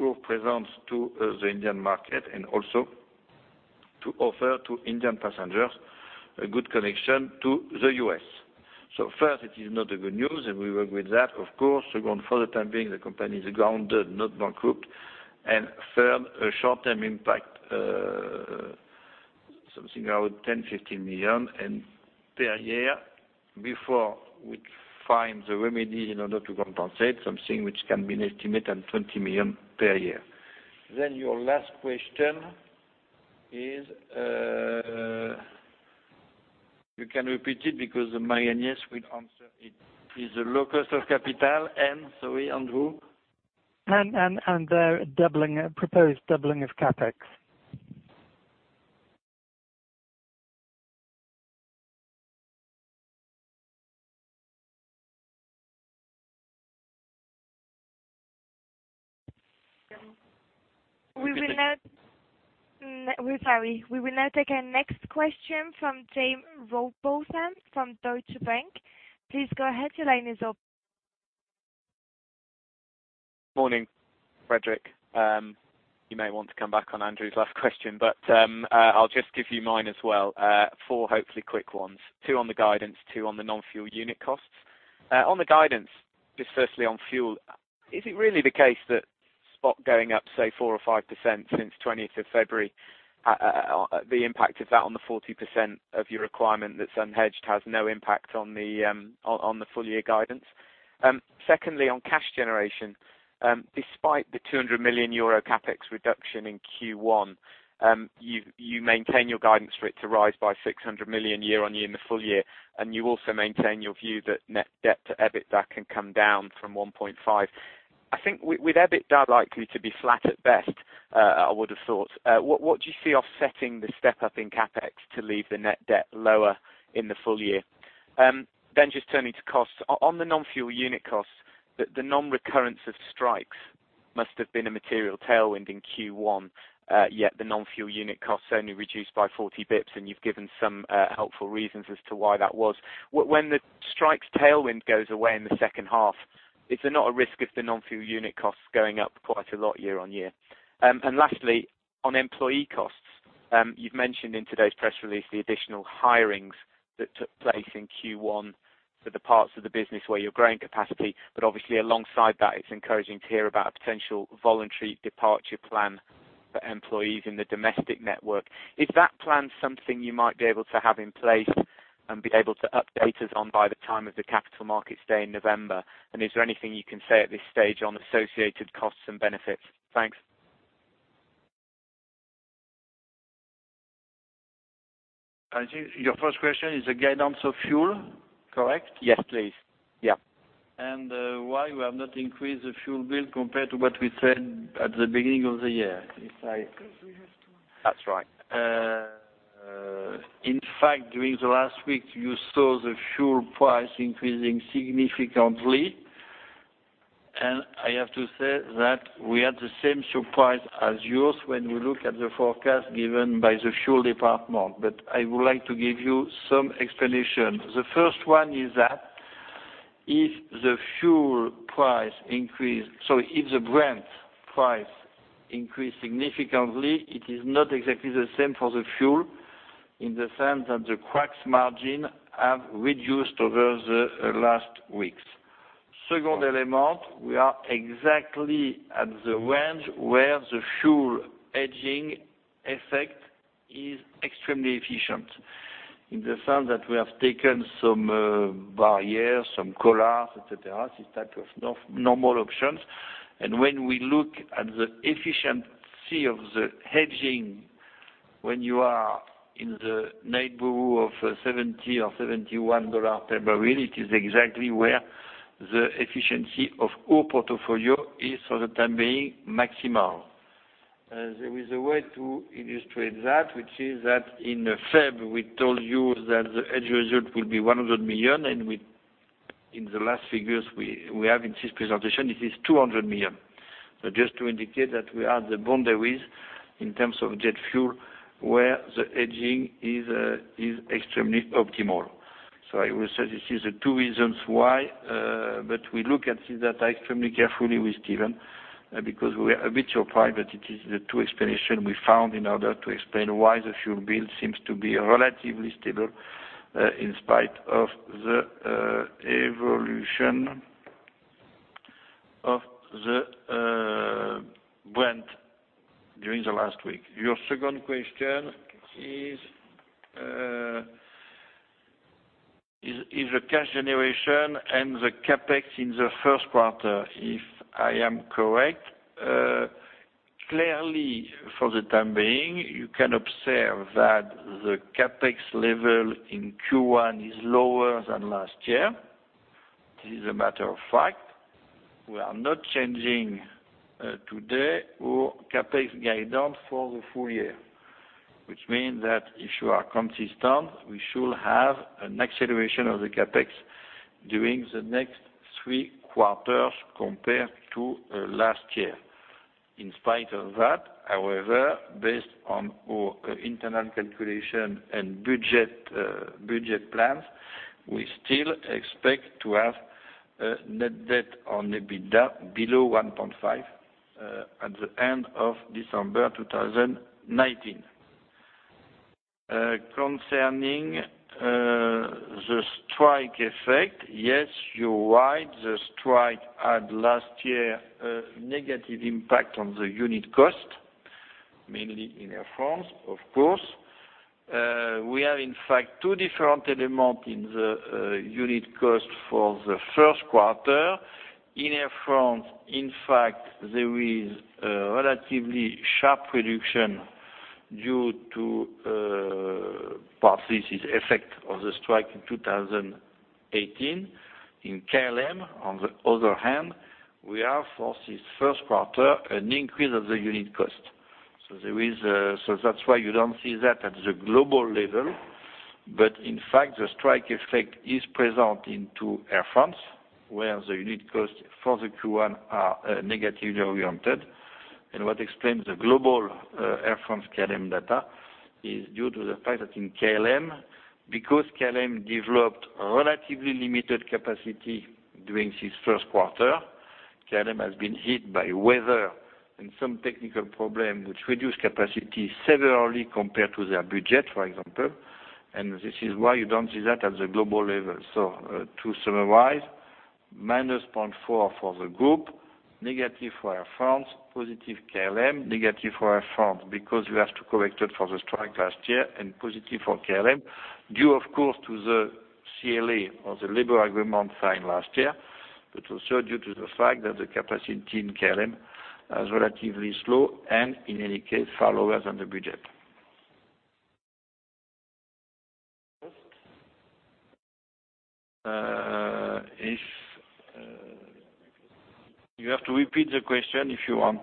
our presence to the Indian market, and also to offer to Indian passengers a good connection to the U.S. First, it is not a good news, and we work with that, of course. Second, for the time being, the company is grounded, not bankrupt. Third, a short-term impact, something around 10 million-15 million per year, before we find the remedy in order to compensate, something which can be an estimate, 20 million per year. Your last question is, you can repeat it because Marie-Agnès will answer it, is the low cost of capital and, sorry, Andrew? The proposed doubling of CapEx. We will now take our next question from Jaime Rowbotham from Deutsche Bank. Please go ahead. Your line is open. Morning, Frédéric. You may want to come back on Andrew's last question, I'll just give you mine as well. 4 hopefully quick ones. 2 on the guidance, 2 on the non-fuel unit costs. On the guidance, just firstly on fuel, is it really the case that spot going up, say, 4% or 5% since 20th of February, the impact of that on the 40% of your requirement that's unhedged has no impact on the full-year guidance? Secondly, on cash generation, despite the 200 million euro CapEx reduction in Q1, you maintain your guidance for it to rise by 600 million year-over-year in the full year, and you also maintain your view that net debt to EBITDA can come down from 1.5. I think with EBITDA likely to be flat at best, I would have thought, what do you see offsetting the step-up in CapEx to leave the net debt lower in the full year? Just turning to costs, on the non-fuel unit costs, the non-recurrence of strikes must have been a material tailwind in Q1, yet the non-fuel unit cost only reduced by 40 basis points, you've given some helpful reasons as to why that was. When the strikes tailwind goes away in the second half, is there not a risk of the non-fuel unit costs going up quite a lot year-on-year? Lastly, on employee costs, you've mentioned in today's press release the additional hirings that took place in Q1 for the parts of the business where you're growing capacity. Obviously, alongside that, it's encouraging to hear about a potential voluntary departure plan for employees in the domestic network. Is that plan something you might be able to have in place and be able to update us on by the time of the Capital Markets Day in November? Is there anything you can say at this stage on associated costs and benefits? Thanks. I think your first question is the guidance of fuel, correct? Yes, please. Yeah. Why we have not increased the fuel bill compared to what we said at the beginning of the year. We have to. That's right. In fact, during the last week, you saw the fuel price increasing significantly. I have to say that we had the same surprise as yours when we look at the forecast given by the fuel department. I would like to give you some explanation. The first one is that if the fuel price increase, so if the Brent price increase significantly, it is not exactly the same for the fuel, in the sense that the cracks margin have reduced over the last weeks. Second element, we are exactly at the range where the fuel hedging effect is extremely efficient, in the sense that we have taken some barriers, some collars, et cetera, this type of normal options. When we look at the efficiency of the hedging, when you are in the neighborhood of 70 or EUR 71 per barrel, it is exactly where the efficiency of our portfolio is, for the time being, maximal. There is a way to illustrate that, which is that in February, we told you that the hedge result will be 100 million, and in the last figures we have in this presentation, it is 200 million. Just to indicate that we are at the boundaries in terms of jet fuel, where the hedging is extremely optimal. I will say this is the two reasons why, but we look at this data extremely carefully with Steven, because we are a bit surprised, but it is the two explanation we found in order to explain why the fuel bill seems to be relatively stable, in spite of the evolution of the Brent during the last week. Your second question is the cash generation and the CapEx in the first quarter, if I am correct. Clearly, for the time being, you can observe that the CapEx level in Q1 is lower than last year. This is a matter of fact. We are not changing today our CapEx guidance for the full year, which means that if you are consistent, we should have an acceleration of the CapEx during the next three quarters compared to last year. In spite of that, however, based on our internal calculation and budget plans, we still expect to have a net debt on EBITDA below 1.5 at the end of December 2019. Concerning the strike effect, yes, you're right. The strike had last year, a negative impact on the unit cost, mainly in Air France, of course. We have, in fact, two different elements in the unit cost for the first quarter. In Air France, in fact, there is a relatively sharp reduction due to, partly this effect of the strike in 2018. In KLM, on the other hand, we have for this first quarter, an increase of the unit cost. So that's why you don't see that at the global level. But in fact, the strike effect is present into Air France, where the unit cost for the Q1 are negatively oriented. What explains the global Air France-KLM data is due to the fact that in KLM, because KLM developed relatively limited capacity during this first quarter, KLM has been hit by weather and some technical problem which reduced capacity severely compared to their budget, for example, and this is why you don't see that at the global level. To summarize, -0.4 for the group, negative for Air France, positive KLM. Negative for Air France, because we have to correct it for the strike last year, and positive for KLM. Due, of course, to the CLA or the labor agreement signed last year, but also due to the fact that the capacity in KLM is relatively slow, and in any case, far lower than the budget. You have to repeat the question if you want.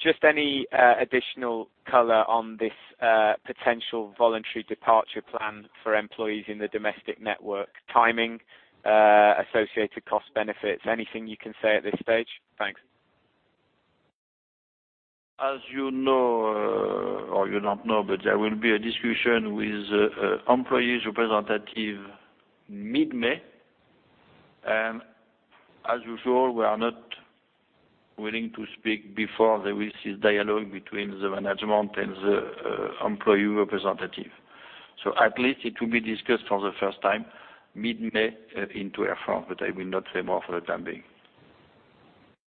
Just any additional color on this potential voluntary departure plan for employees in the domestic network. Timing, associated cost benefits. Anything you can say at this stage? Thanks. As you know, or you don't know, there will be a discussion with employees representative mid-May. As usual, we are not willing to speak before there is dialogue between the management and the employee representative. At least it will be discussed for the first time mid-May into Air France, I will not say more for the time being.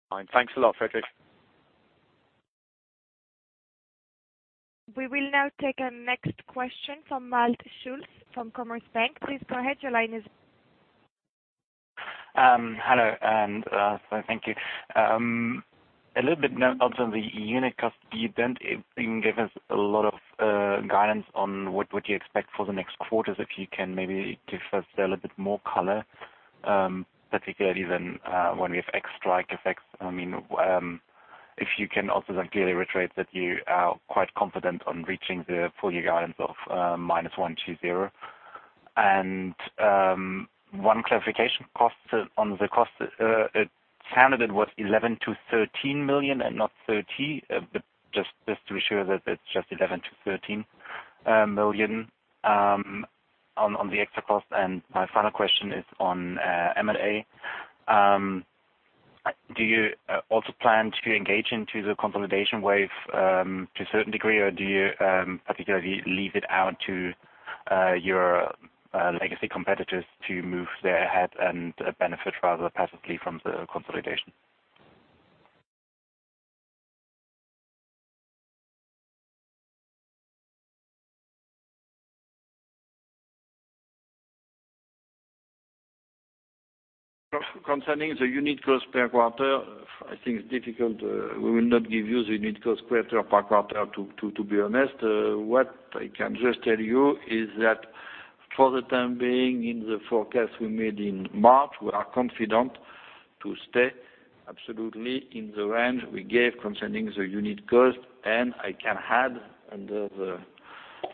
Fine. Thanks a lot, Frédéric. We will now take a next question from Malte Schulz from Commerzbank. Please go ahead. Your line is- Hello, and thank you. A little bit notes on the unit cost, you didn't give us a lot of guidance on what you expect for the next quarters, if you can maybe give us a little bit more color, particularly, when we have ex strike effects. If you can also clearly reiterate that you are quite confident on reaching the full-year guidance of minus 1 to 0. One clarification, on the cost, it sounded it was 11 million-13 million and not 30 million, just to be sure that it's just 11 million-13 million on the extra cost. My final question is on M&A. Do you also plan to engage into the consolidation wave to a certain degree, or do you particularly leave it out to your legacy competitors to move there ahead and benefit rather passively from the consolidation? Concerning the unit cost per quarter, I think it's difficult. We will not give you the unit cost per quarter, to be honest. What I can just tell you is that for the time being, in the forecast we made in March, we are confident to stay absolutely in the range we gave concerning the unit cost. I can add, under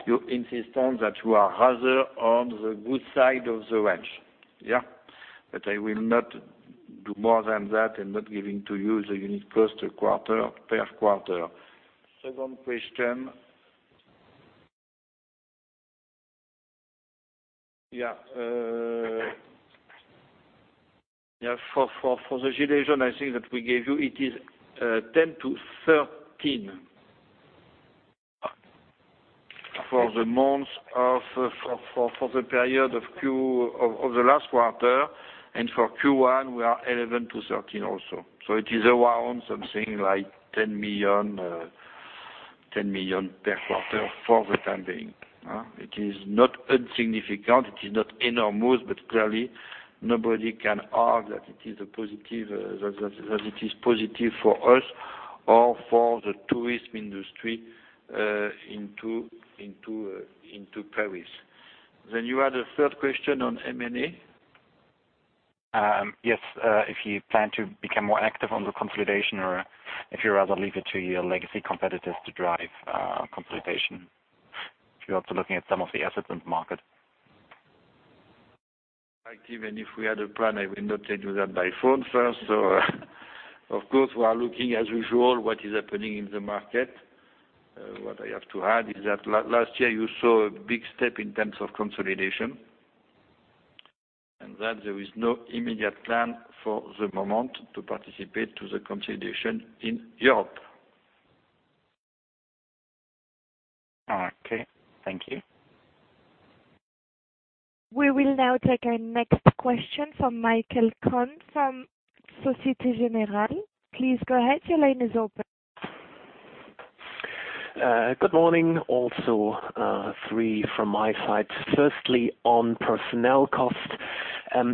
your insistence, that you are rather on the good side of the range. I will not do more than that and not giving to you the unit cost per quarter. Second question. For the situation, I think that we gave you, it is 10 million-13 million for the period of the last quarter, for Q1, we are 11 million-13 million also. It is around something like 10 million per quarter for the time being. It is not insignificant, it is not enormous, clearly, nobody can argue that it is positive for us or for the tourism industry into Paris. You had a third question on M&A? Yes. If you plan to become more active on the consolidation or if you rather leave it to your legacy competitors to drive consolidation. If you're also looking at some of the assets market. Active. If we had a plan, I will not tell you that by phone first. Of course, we are looking, as usual, what is happening in the market. What I have to add is that last year you saw a big step in terms of consolidation, and that there is no immediate plan for the moment to participate to the consolidation in Europe. Okay, thank you. We will now take our next question from Michael Kuhn from Société Générale. Please go ahead. Your line is open. Good morning. Also, three from my side. Firstly, on personnel cost,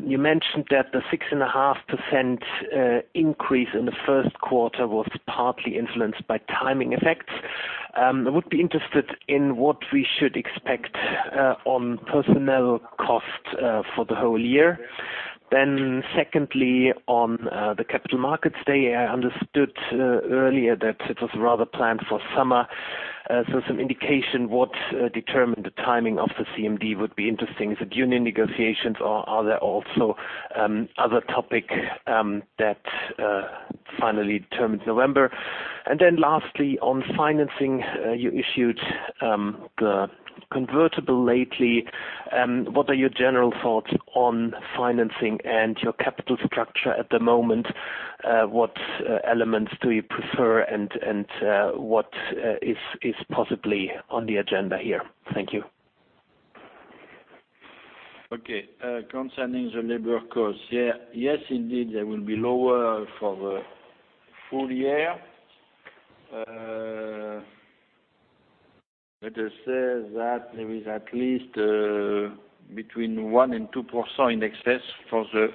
you mentioned that the 6.5% increase in the first quarter was partly influenced by timing effects. I would be interested in what we should expect on personnel costs for the whole year. Secondly, on the Capital Markets Day, I understood earlier that it was rather planned for summer. Some indication what determined the timing of the CMD would be interesting. Is it union negotiations or are there also other topic that finally determined November? Lastly, on financing, you issued the convertible lately. What are your general thoughts on financing and your capital structure at the moment? What elements do you prefer and what is possibly on the agenda here? Thank you. Concerning the labor cost, yes, indeed, they will be lower for the full year. Let us say that there is at least between one and 2% in excess for the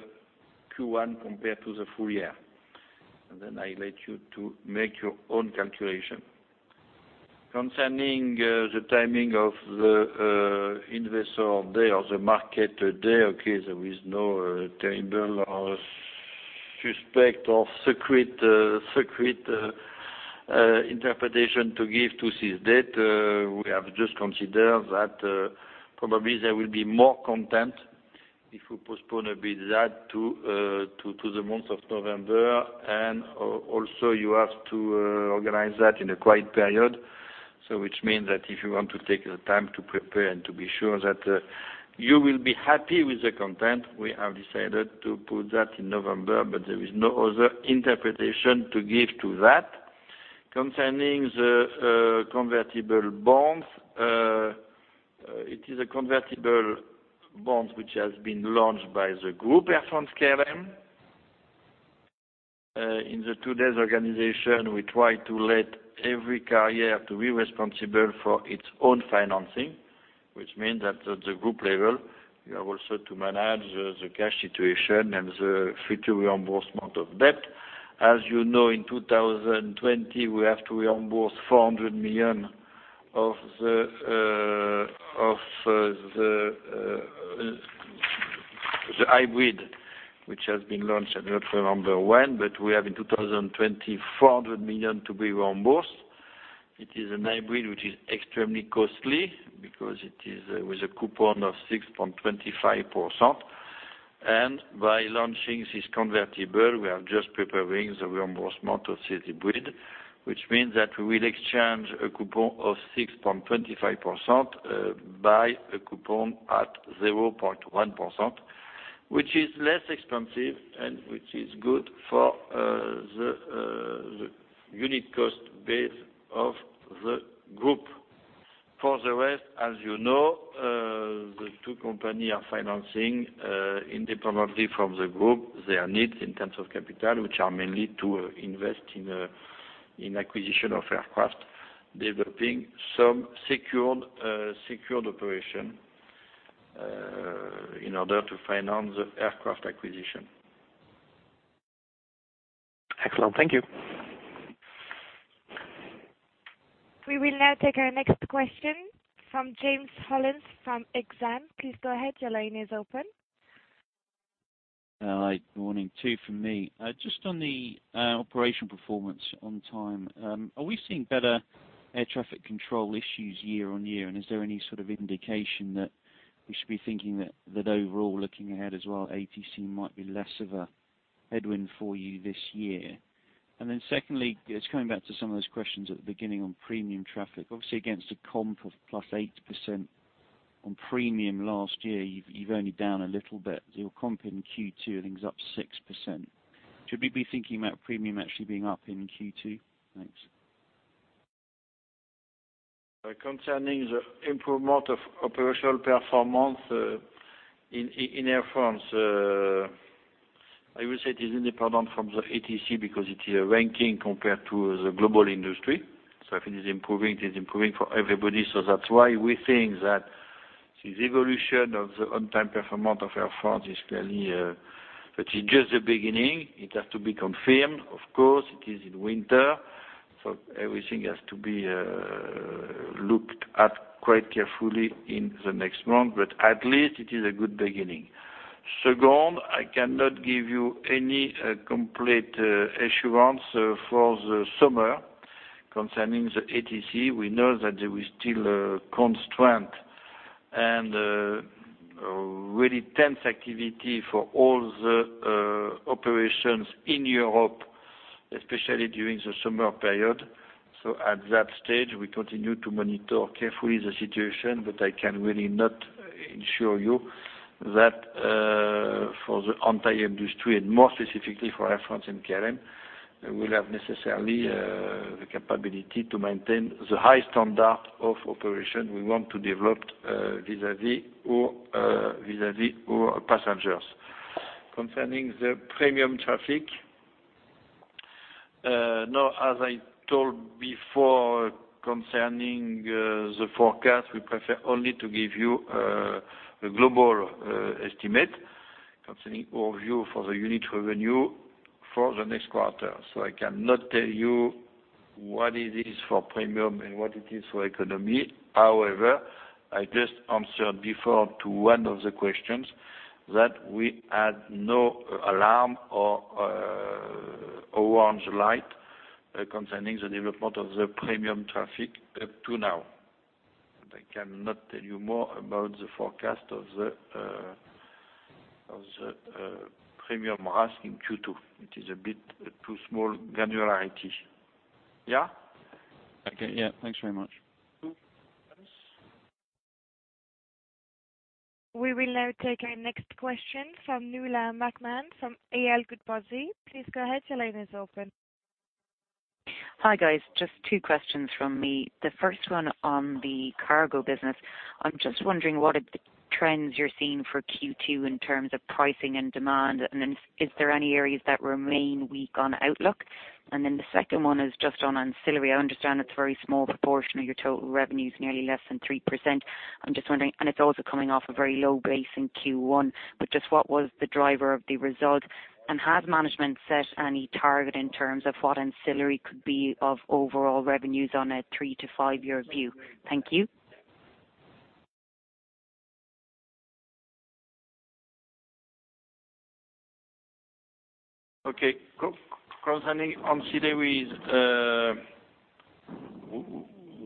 Q1 compared to the full year. I let you to make your own calculation. Concerning the timing of the Investor Day or Day of the Capital Markets Day, there is no table or suspect of secret interpretation to give to this date. We have just considered that probably there will be more content if we postpone a bit that to the month of November, and also you have to organize that in a quiet period. Which means that if you want to take the time to prepare and to be sure that you will be happy with the content, we have decided to put that in November, but there is no other interpretation to give to that. Concerning the convertible bonds, it is a convertible bond, which has been launched by the Group Air France-KLM. In the today's organization, we try to let every carrier to be responsible for its own financing, which means that at the group level, we have also to manage the cash situation and the future reimbursement of debt. As you know, in 2020, we have to reimburse 400 million of the hybrid, which has been launched, I don't remember when, but we have in 2020, 400 million to be reimbursed. It is a hybrid which is extremely costly because it is with a coupon of 6.25%. By launching this convertible, we are just preparing the reimbursement of this hybrid, which means that we will exchange a coupon of 6.25% by a coupon at 0.1%, which is less expensive and which is good for the unit cost base of the group. For the rest, as you know, the two company are financing independently from the group, their needs in terms of capital, which are mainly to invest in acquisition of aircraft, developing some secured operation, in order to finance the aircraft acquisition. Excellent. Thank you. We will now take our next question from James Hollins from Exane. Please go ahead. Your line is open. Hi, good morning. Two from me. Just on the operation performance on time. Are we seeing better air traffic control issues year-over-year? Is there any sort of indication that we should be thinking that overall, looking ahead as well, ATC might be less of a headwind for you this year? Secondly, just coming back to some of those questions at the beginning on premium traffic. Obviously, against a comp of +8% on premium last year, you've only down a little bit. Your comp in Q2, I think it's up 6%. Should we be thinking about premium actually being up in Q2? Thanks. Concerning the improvement of operational performance in Air France, I would say it is independent from the ATC because it is a ranking compared to the global industry. I think it is improving. It is improving for everybody. That's why we think that This evolution of the on-time performance of Air France is clearly just the beginning. It has to be confirmed. Of course, it is in winter, so everything has to be looked at quite carefully in the next month, but at least it is a good beginning. Second, I cannot give you any complete assurance for the summer concerning the ATC. We know that there is still a constraint and really tense activity for all the operations in Europe, especially during the summer period. At that stage, we continue to monitor carefully the situation, but I can really not assure you that for the entire industry, and more specifically for Air France and KLM, we'll have necessarily the capability to maintain the high standard of operation we want to develop vis-à-vis our passengers. Concerning the premium traffic, now, as I told before, concerning the forecast, we prefer only to give you a global estimate concerning overview for the unit revenue for the next quarter. I cannot tell you what it is for premium and what it is for economy. However, I just answered before to one of the questions that we had no alarm or orange light concerning the development of the premium traffic up to now. I cannot tell you more about the forecast of the premium RASK in Q2. It is a bit too small granularity. Yeah? Okay. Yeah. Thanks very much. Cool. We will now take our next question from Nuala McMahon from A&L Goodbody. Please go ahead. Your line is open. Hi, guys. Just two questions from me. The first one on the cargo business. I'm just wondering what are the trends you're seeing for Q2 in terms of pricing and demand, and then is there any areas that remain weak on outlook? The second one is just on ancillary. I understand it's very small proportion of your total revenues, nearly less than 3%. I'm just wondering, it's also coming off a very low base in Q1, but just what was the driver of the result, and has management set any target in terms of what ancillary could be of overall revenues on a 3- to 5-year view? Thank you. Okay. Concerning ancillaries,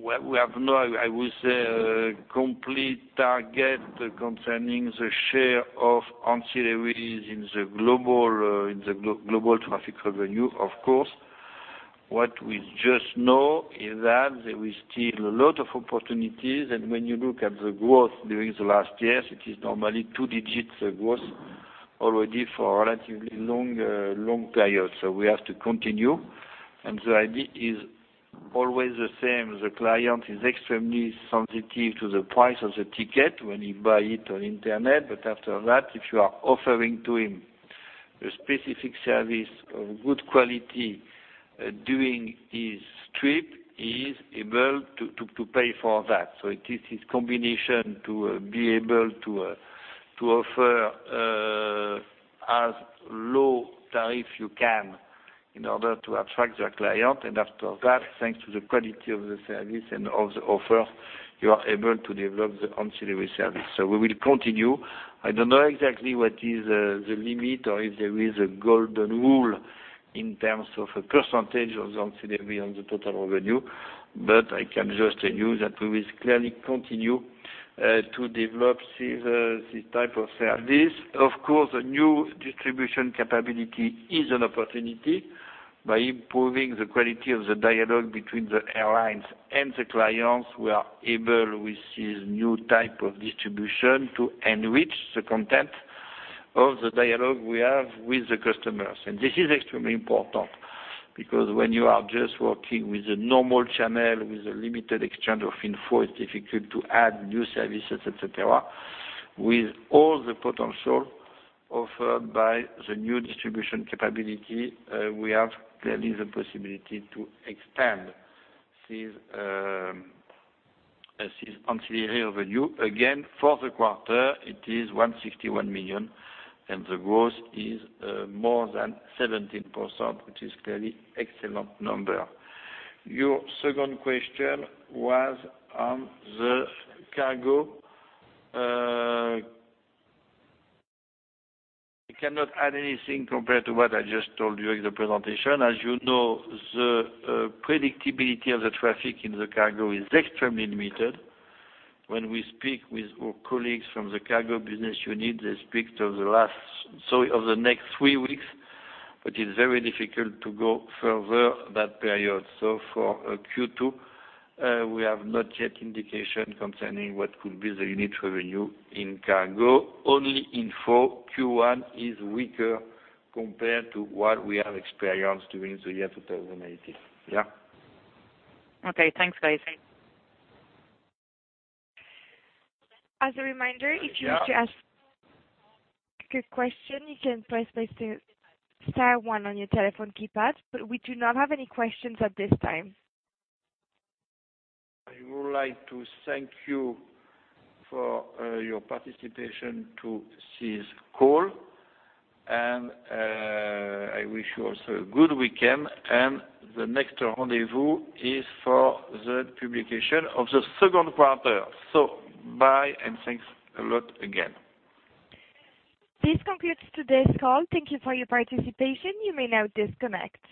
we have no, I would say, complete target concerning the share of ancillaries in the global traffic revenue, of course. What we just know is that there is still a lot of opportunities, and when you look at the growth during the last years, it is normally two digits of growth already for a relatively long period. We have to continue, and the idea is always the same. The client is extremely sensitive to the price of the ticket when he buy it on internet. After that, if you are offering to him a specific service of good quality during his trip, he's able to pay for that. It is this combination to be able to offer as low tariff you can in order to attract the client. After that, thanks to the quality of the service and of the offer, you are able to develop the ancillary service. We will continue. I don't know exactly what is the limit or if there is a golden rule in terms of a percentage of the ancillary on the total revenue. I can just tell you that we will clearly continue to develop this type of service. A new distribution capability is an opportunity by improving the quality of the dialogue between the airlines and the clients, we are able, with this new type of distribution, to enrich the content of the dialogue we have with the customers. This is extremely important because when you are just working with a normal channel, with a limited exchange of info, it's difficult to add new services, et cetera. With all the potential offered by the NDC, we have clearly the possibility to expand this ancillary revenue. For the quarter, it is 161 million, and the growth is more than 17%, which is clearly excellent number. Your second question was on the cargo. I cannot add anything compared to what I just told you in the presentation. As you know, the predictability of the traffic in the cargo is extremely limited. When we speak with our colleagues from the cargo business unit, they speak to the next three weeks, but it's very difficult to go further that period. For Q2, we have not yet indication concerning what could be the unit revenue in cargo. Only info, Q1 is weaker compared to what we have experienced during the year 2018. Okay. Thanks, guys. As a reminder, if you wish to ask a question, you can press star one on your telephone keypad, we do not have any questions at this time. I would like to thank you for your participation to this call, and I wish you also a good weekend. The next rendezvous is for the publication of the second quarter. Bye, and thanks a lot again. This concludes today's call. Thank you for your participation. You may now disconnect.